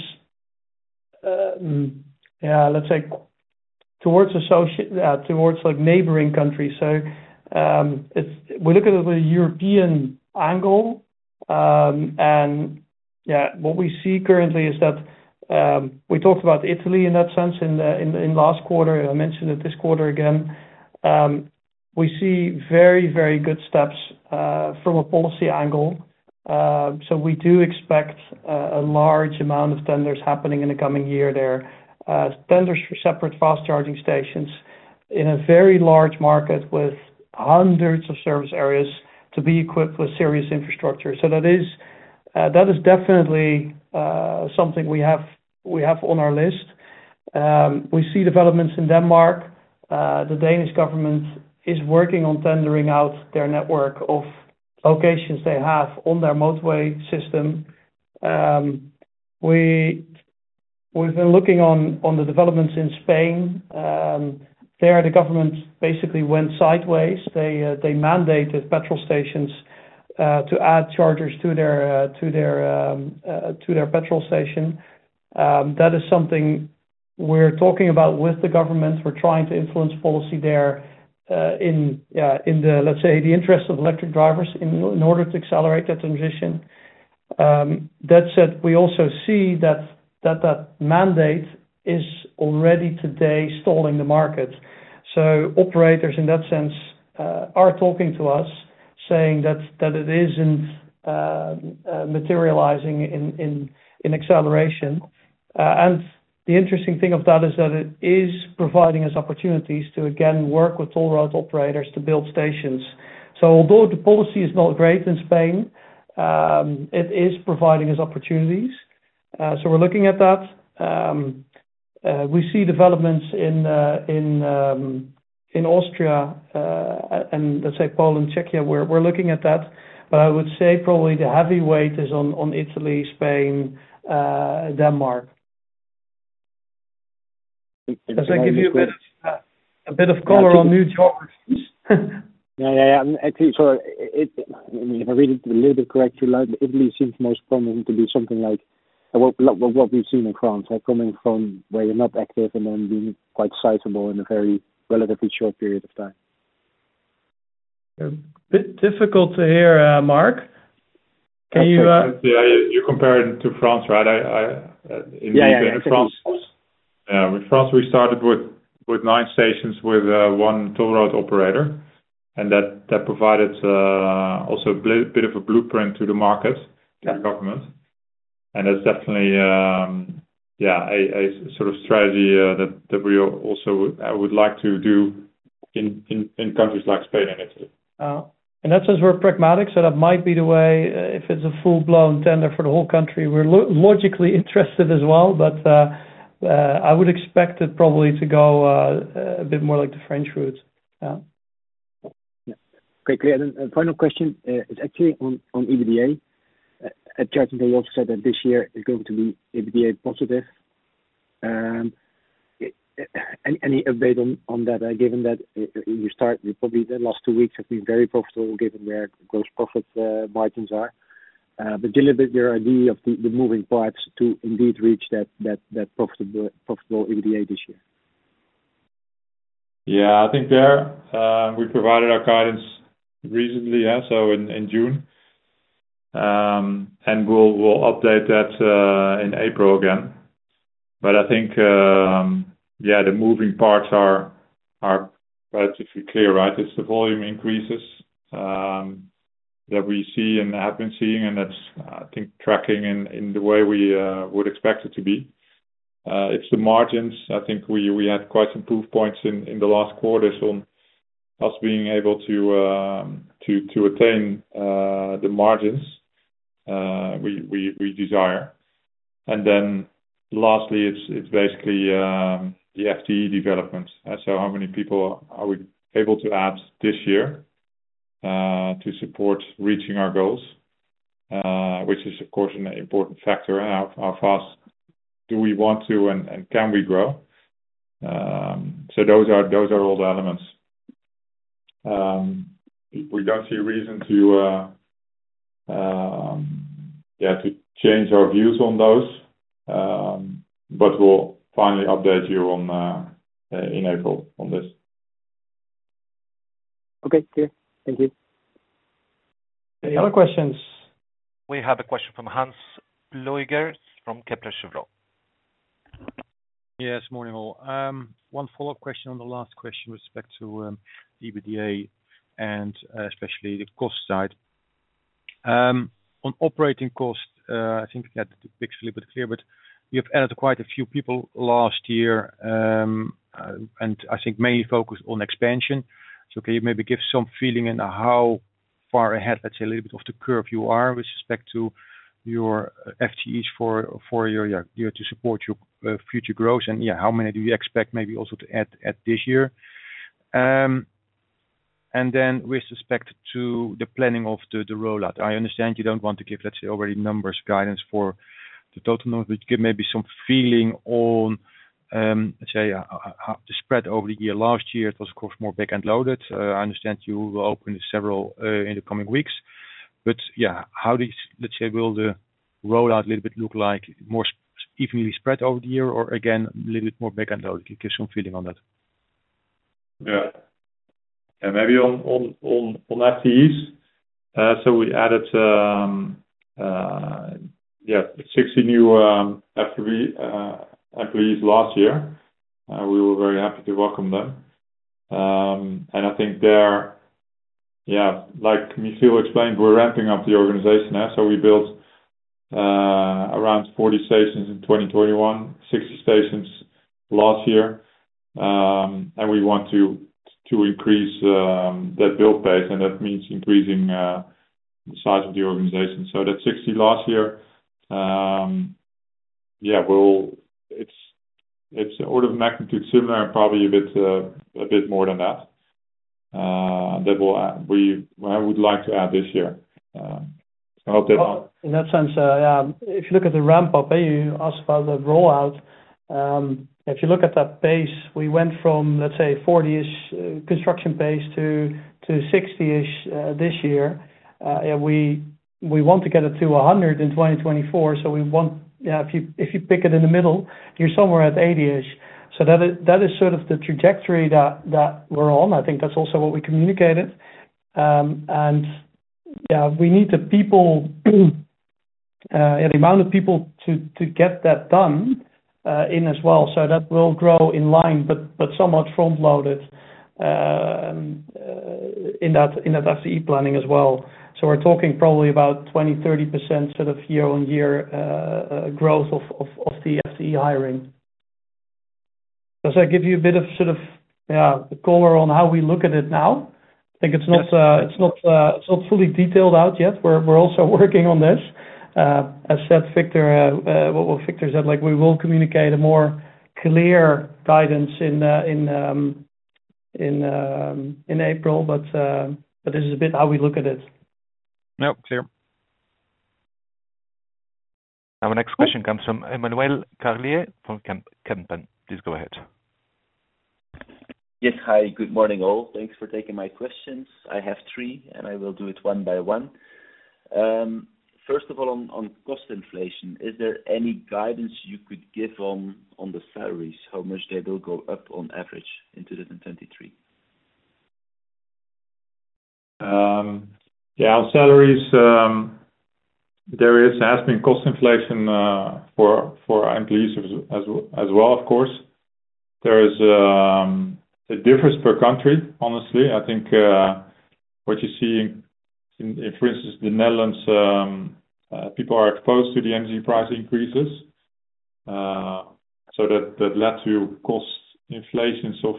like, neighboring countries. We look at it with a European angle. What we see currently is that we talked about Italy in that sense in the last quarter, and I mentioned it this quarter again. We see very good steps from a policy angle. We do expect a large amount of tenders happening in the coming year there. Tenders for separate fast charging stations in a very large market with hundreds of service areas to be equipped with serious infrastructure. That is definitely something we have on our list. We see developments in Denmark. The Danish government is working on tendering out their network of locations they have on their motorway system. We've been looking on the developments in Spain. There, the government basically went sideways. They mandated petrol stations to add chargers to their petrol station. That is something we're talking about with the government. We're trying to influence policy there, in the, let's say, the interest of electric drivers in order to accelerate that transition. That said, we also see that mandate is already today stalling the market. Operators in that sense are talking to us saying that it isn't materializing in acceleration. The interesting thing of that is that it is providing us opportunities to again, work with toll road operators to build stations. Although the policy is not great in Spain, it is providing us opportunities. We're looking at that. We see developments in Austria, and let's say Poland, Czechia, we're looking at that. I would say probably the heavy weight is on Italy, Spain, Denmark. Does that give you a bit of color on new geographies? Yeah, yeah. If I read it a little bit correctly, like, Italy seems most prominent to do something like what we've seen in France, like, coming from where you're not active and then being quite sizable in a very relatively short period of time. Bit difficult to hear, Marc. Can you You compare it to France, right? I Yeah, yeah. In France, with France, we started with nine stations with one toll road operator. That provided also a bit of a blueprint to the market. Yeah. to the government. It's definitely a sort of strategy that I would like to do in countries like Spain and Italy. In that sense, we're pragmatic, so that might be the way if it's a full-blown tender for the whole country. We're logically interested as well, but I would expect it probably to go a bit more like the French route. Yeah. Okay. Final question is actually on EBITDA. At Any other questions? We have a question from Hans Pluijgers from Kepler Cheuvreux. Yes. Morning, all. One follow-up question on the last question with respect to EBITDA and especially the cost side. On operating costs, I think that the picture is a little bit clear, but you've added quite a few people last year, and I think mainly focused on expansion. Can you maybe give some feeling in how far ahead, let's say, a little bit of the curve you are with respect to your FTEs for your year to support your future growth? Yeah, how many do you expect maybe also to add this year? Then with respect to the planning of the rollout. I understand you don't want to give, let's say, already numbers guidance for the total number, but give maybe some feeling on, let's say, how the spread over the year? Last year, it was, of course, more back-end loaded. I understand you will open several, in the coming weeks. Yeah, how does, let's say, will the rollout a little bit look like more evenly spread over the year or again, a little bit more back-end loaded? Give some feeling on that. Yeah. Maybe on FTEs. We added, yeah, 60 new employees last year. We were very happy to welcome them. I think they're, yeah, like Michiel explained, we're ramping up the organization. We built around 40 stations in 2021, 60 stations last year. We want to increase that build base, that means increasing the size of the organization. That 60 last year, yeah, it's order of magnitude similar, probably a bit more than that I would like to add this year to help it out. In that sense, if you look at the ramp up, you asked about the rollout. If you look at that base, we went from, let's say, 40-ish construction base to 60-ish this year. We want to get it to 100 in 2024. We want, if you, if you pick it in the middle, you're somewhere at 80-ish. That is sort of the trajectory that we're on. I think that's also what we communicated. We need the people, the amount of people to get that done as well. That will grow in line, but somewhat front-loaded in that FCE planning as well. We're talking probably about 20% to 30% sort of year-on-year growth of the FCE hiring. Does that give you a bit of sort of, yeah, the color on how we look at it now? I think it's not Yes. It's not fully detailed out yet. We're also working on this. As said Victor, what Victor said, like, we will communicate a more clear guidance in April. This is a bit how we look at it. Yep, clear. Our next question comes from Emmanuel Carlier from Van Lanschot Kempen. Please go ahead. Yes. Hi, good morning, all. Thanks for taking my questions. I have three, and I will do it one by one. First of all, on cost inflation, is there any guidance you could give on the salaries, how much they will go up on average in 2023? Yeah, on salaries, there is, has been cost inflation for employees as well, of course. There is a difference per country. Honestly, I think what you're seeing in, for instance, the Netherlands, people are exposed to the energy price increases. That led to cost inflations of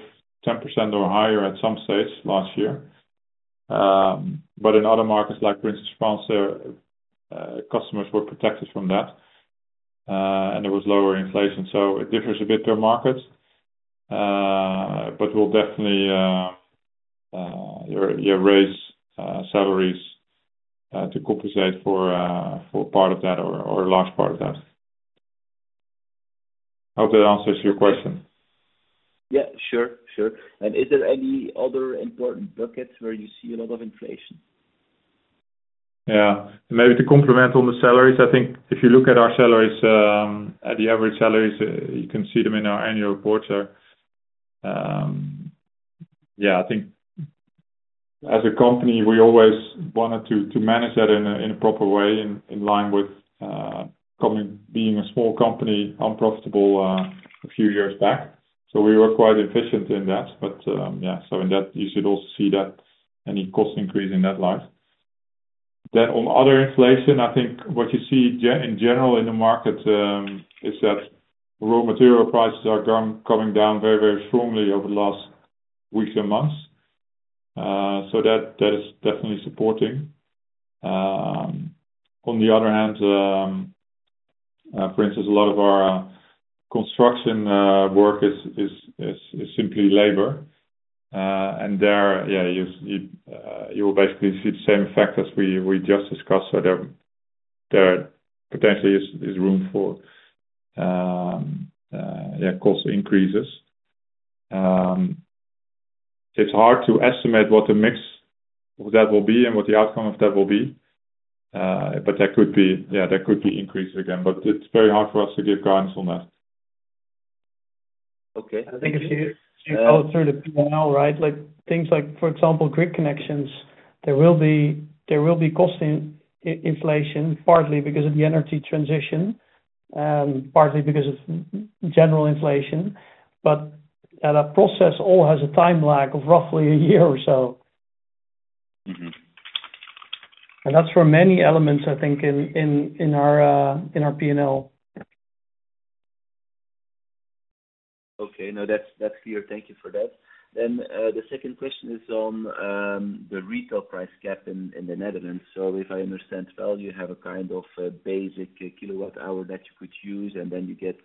10% or higher at some stage last year. In other markets, like for instance, France, their customers were protected from that, and there was lower inflation. It differs a bit per market. We'll definitely, yeah, raise salaries to compensate for part of that or a large part of that. Hope that answers your question. Yeah, sure. Is there any other important buckets where you see a lot of inflation? Maybe to complement on the salaries, I think if you look at our salaries, at the average salaries, you can see them in our annual reports. I think as a company, we always wanted to manage that in a, in a proper way in line with, company being a small company, unprofitable, a few years back. We were quite efficient in that. In that, you should also see that any cost increase in that light. On other inflation, I think what you see in general in the market, is that raw material prices are coming down very, very strongly over the last weeks and months. That is definitely supporting. On the other hand, for instance, a lot of our construction, work is simply labor. There you will basically see the same effect as we just discussed. There potentially is room for cost increases. It's hard to estimate what the mix of that will be and what the outcome of that will be. There could be increase again, but it's very hard for us to give guidance on that. Okay. I think if you go through the P&L right, like things like for example, grid connections, there will be cost in inflation, partly because of the energy transition, partly because of general inflation. That process all has a time lag of roughly a year or so. Mm-hmm. That's for many elements, I think, in our P&L. Okay. No, that's clear. Thank you for that. The second question is on the retail price cap in the Netherlands. If I understand well, you have a kind of a basic kilowatt-hour that you could use, and then you get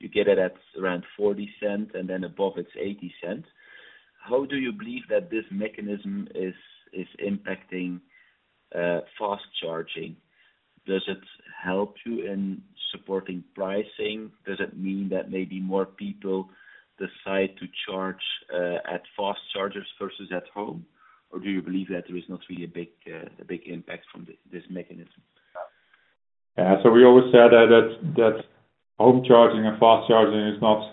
it at around 0.40, and then above it's 0.80. How do you believe that this mechanism is impacting fast charging? Does it help you in supporting pricing? Does it mean that maybe more people decide to charge at fast chargers versus at home? Do you believe that there is not really a big impact from this mechanism? Yeah. We always say that home charging and fast charging is not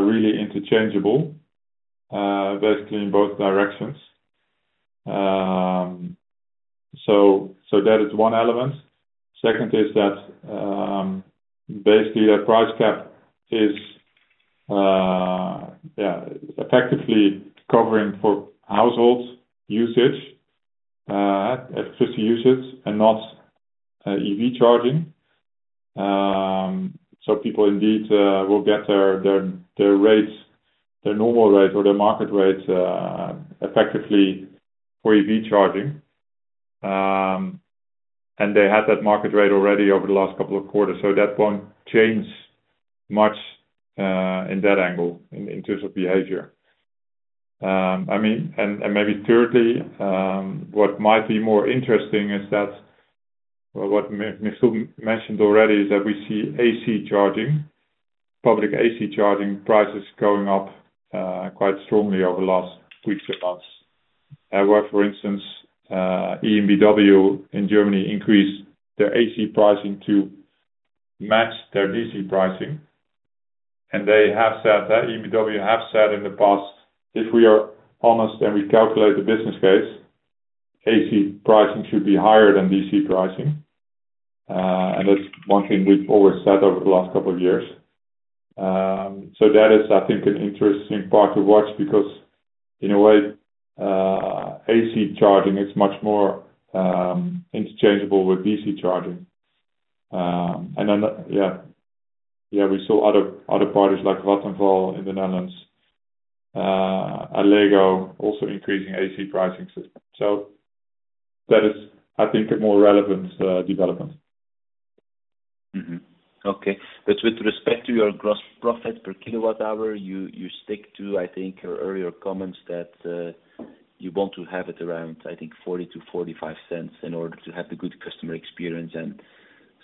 really interchangeable basically in both directions. That is one element. Second is that basically a price cap is yeah, effectively covering for households usage at 50 usage and not EV charging. People indeed will get their rates, their normal rates or their market rates effectively for EV charging. And they had that market rate already over the last couple of quarters. That won't change much in that angle in terms of behavior. I mean, maybe thirdly, what might be more interesting is that what Michiel mentioned already is that we see AC charging, public AC charging prices going up quite strongly over the last weeks and months. Where for instance, EnBW in Germany increased their AC pricing to match their DC pricing. They have said that, EnBW have said in the past, if we are honest and we calculate the business case, AC pricing should be higher than DC pricing. That's one thing we've always said over the last couple of years. That is I think an interesting part to watch because in a way, AC charging is much more interchangeable with DC charging. We saw other parties like Vattenfall in the Netherlands, Allego also increasing AC pricing system. That is, I think, a more relevant development. Okay. With respect to your gross profit per kilowatt-hour, you stick to, I think, your earlier comments that you want to have it around, I think 0.40 to 0.45 in order to have the good customer experience and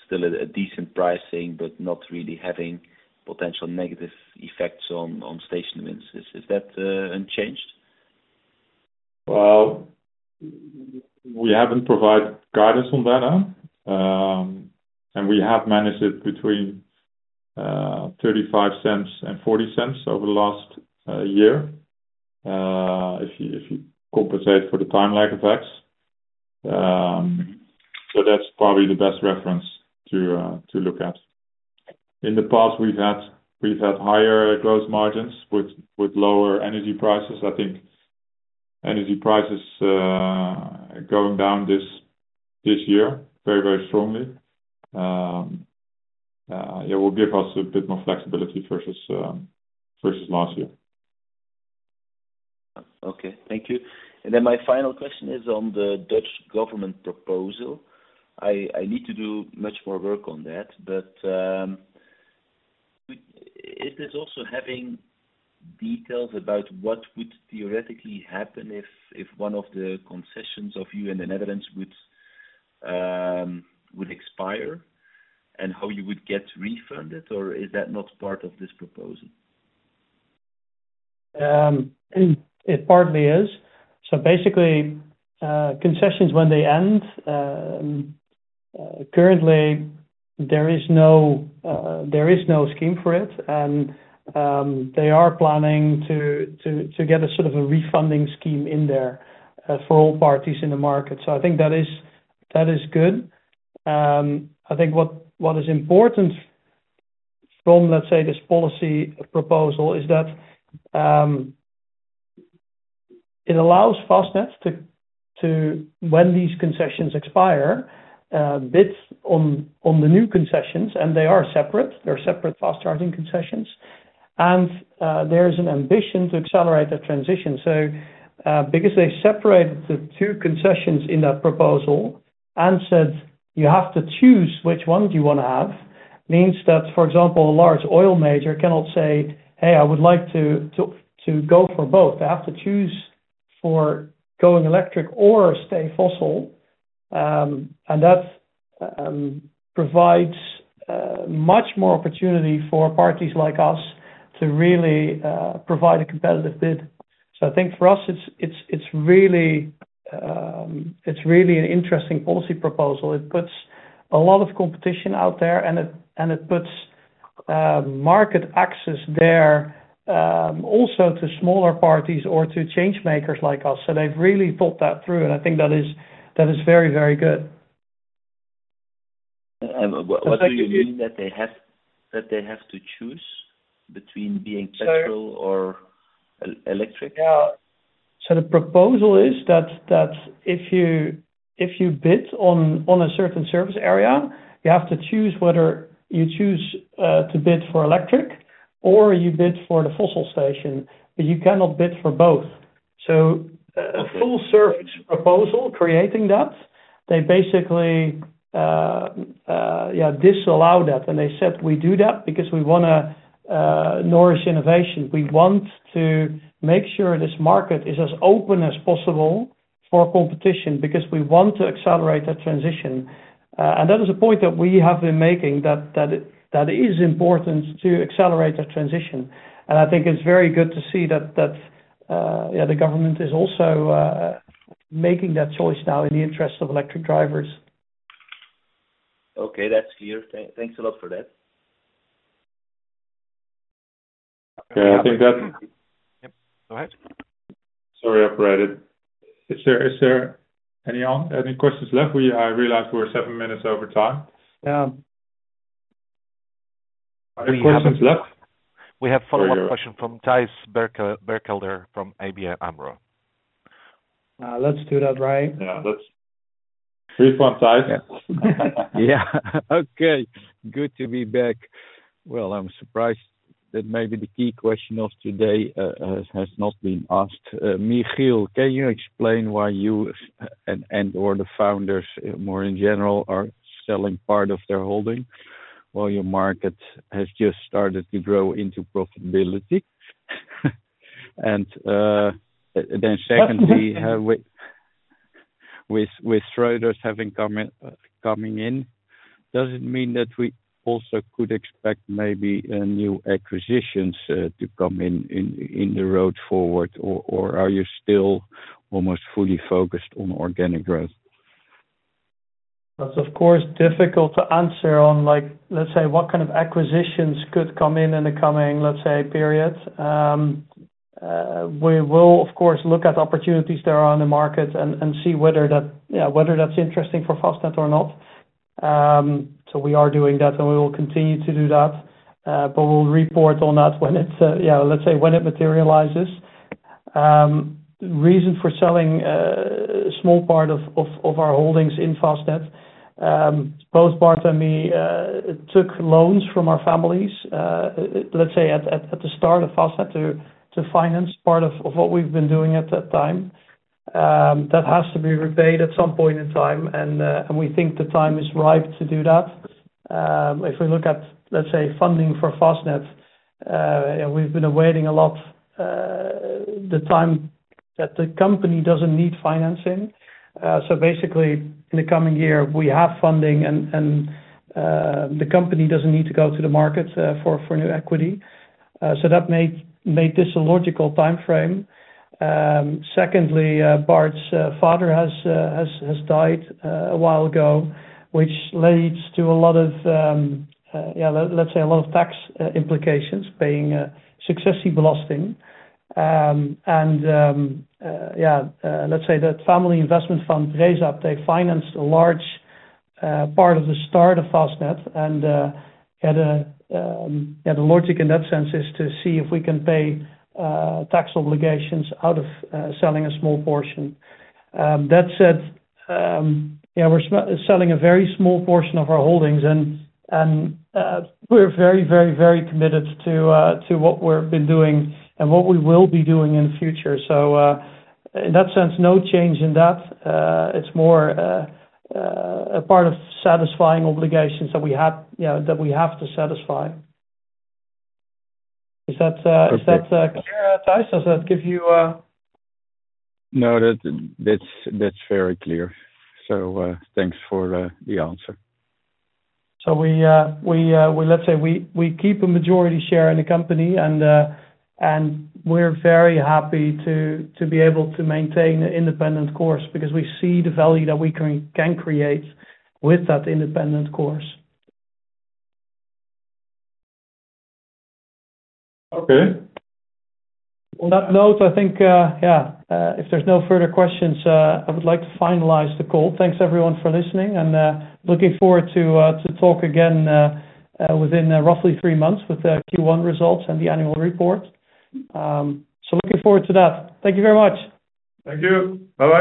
still a decent pricing, but not really having potential negative effects on station wins. Is that unchanged? Well, we haven't provided guidance on that. We have managed it between 0.35 and 0.40 over the last year. If you compensate for the timeline effects. That's probably the best reference to look at. In the past, we've had higher gross margins with lower energy prices. I think energy prices going down this year very, very strongly. Yeah, will give us a bit more flexibility versus last year. Okay. Thank you. My final question is on the Dutch government proposal. I need to do much more work on that, but is this also having details about what would theoretically happen if one of the concessions of you in the Netherlands would expire, and how you would get refunded? Or is that not part of this proposal? It partly is. Basically, concessions when they end, currently there is no, there is no scheme for it. They are planning to get a sort of a refunding scheme in there for all parties in the market. I think that is good. I think what is important from, let's say, this policy proposal is that it allows Fastned to when these concessions expire, bids on the new concessions, and they are separate. They're separate fast charging concessions. There is an ambition to accelerate that transition. Because they separated the two concessions in that proposal and said, "You have to choose which one do you want to have," means that, for example, a large oil major cannot say, "Hey, I would like to go for both." They have to choose for going electric or stay fossil. That provides much more opportunity for parties like us to really provide a competitive bid. I think for us, it's really an interesting policy proposal. It puts a lot of competition out there, and it puts market access there, also to smaller parties or to change makers like us. They've really thought that through, and I think that is very, very good. What do you mean that they have to choose between being petrol or electric? Yeah. The proposal is that if you bid on a certain service area, you have to choose whether you choose to bid for electric or you bid for the fossil station, but you cannot bid for both. Okay. A full service proposal creating that, they basically disallow that. They said, "We do that because we wanna nourish innovation. We want to make sure this market is as open as possible for competition because we want to accelerate that transition." That is a point that we have been making that, that is important to accelerate that transition. I think it's very good to see that the government is also making that choice now in the interest of electric drivers. Okay. That's clear. Thanks a lot for that. Yeah. I think. Yep. Go ahead. Sorry, I interrupted. Is there any questions left? I realize we're seven minutes over time. Any questions left? We have follow-up question from Thijs Berkelder from ABN AMRO. Let's do that, right? Yeah, let's. Here you go, Thijs. Yeah. Okay. Good to be back. Well, I'm surprised that maybe the key question of today has not been asked. Michiel, can you explain why you and/or the founders more in general, are selling part of their holding, while your market has just started to grow into profitability? Secondly, with Schroders coming in, does it mean that we also could expect maybe new acquisitions to come in, in the road forward or are you still almost fully focused on organic growth? That's of course difficult to answer on like, let's say, what kind of acquisitions could come in in the coming, let's say, period. We will, of course, look at opportunities that are on the market and see whether that, you know, whether that's interesting for Fastned or not. We are doing that, and we will continue to do that. We'll report on that when it's, yeah, let's say, when it materializes. Reason for selling, small part of our holdings in Fastned, both Bart and me, took loans from our families, let's say, at the start of Fastned to finance part of what we've been doing at that time. That has to be repaid at some point in time. We think the time is right to do that. If we look at, let's say, funding for Fastned, we've been awaiting a lot, the time that the company doesn't need financing. Basically, in the coming year, we have funding and the company doesn't need to go to the market for new equity. That made this a logical timeframe. Secondly, Bart's father has died a while ago, which leads to a lot of, yeah, let's say a lot of tax implications, paying Successiebelasting. Yeah, let's say that family investment from Breesaap, they financed a large part of the start of Fastned, and had a, yeah, the logic in that sense is to see if we can pay tax obligations out of selling a small portion. That said, yeah, we're selling a very small portion of our holdings and, we're very, very, very committed to what we're been doing and what we will be doing in the future. In that sense, no change in that. It's more a part of satisfying obligations that we have, you know, that we have to satisfy. Is that, is that clear, Thijs? Does that give you? No, that's very clear. Thanks for the answer. We let's say we keep a majority share in the company and we're very happy to be able to maintain an independent course because we see the value that we can create with that independent course. Okay. On that note, I think, yeah, if there's no further questions, I would like to finalize the call. Thanks, everyone, for listening. Looking forward to talk again, within roughly three months with the Q1 results and the annual report. Looking forward to that. Thank you very much. Thank you. Bye-bye.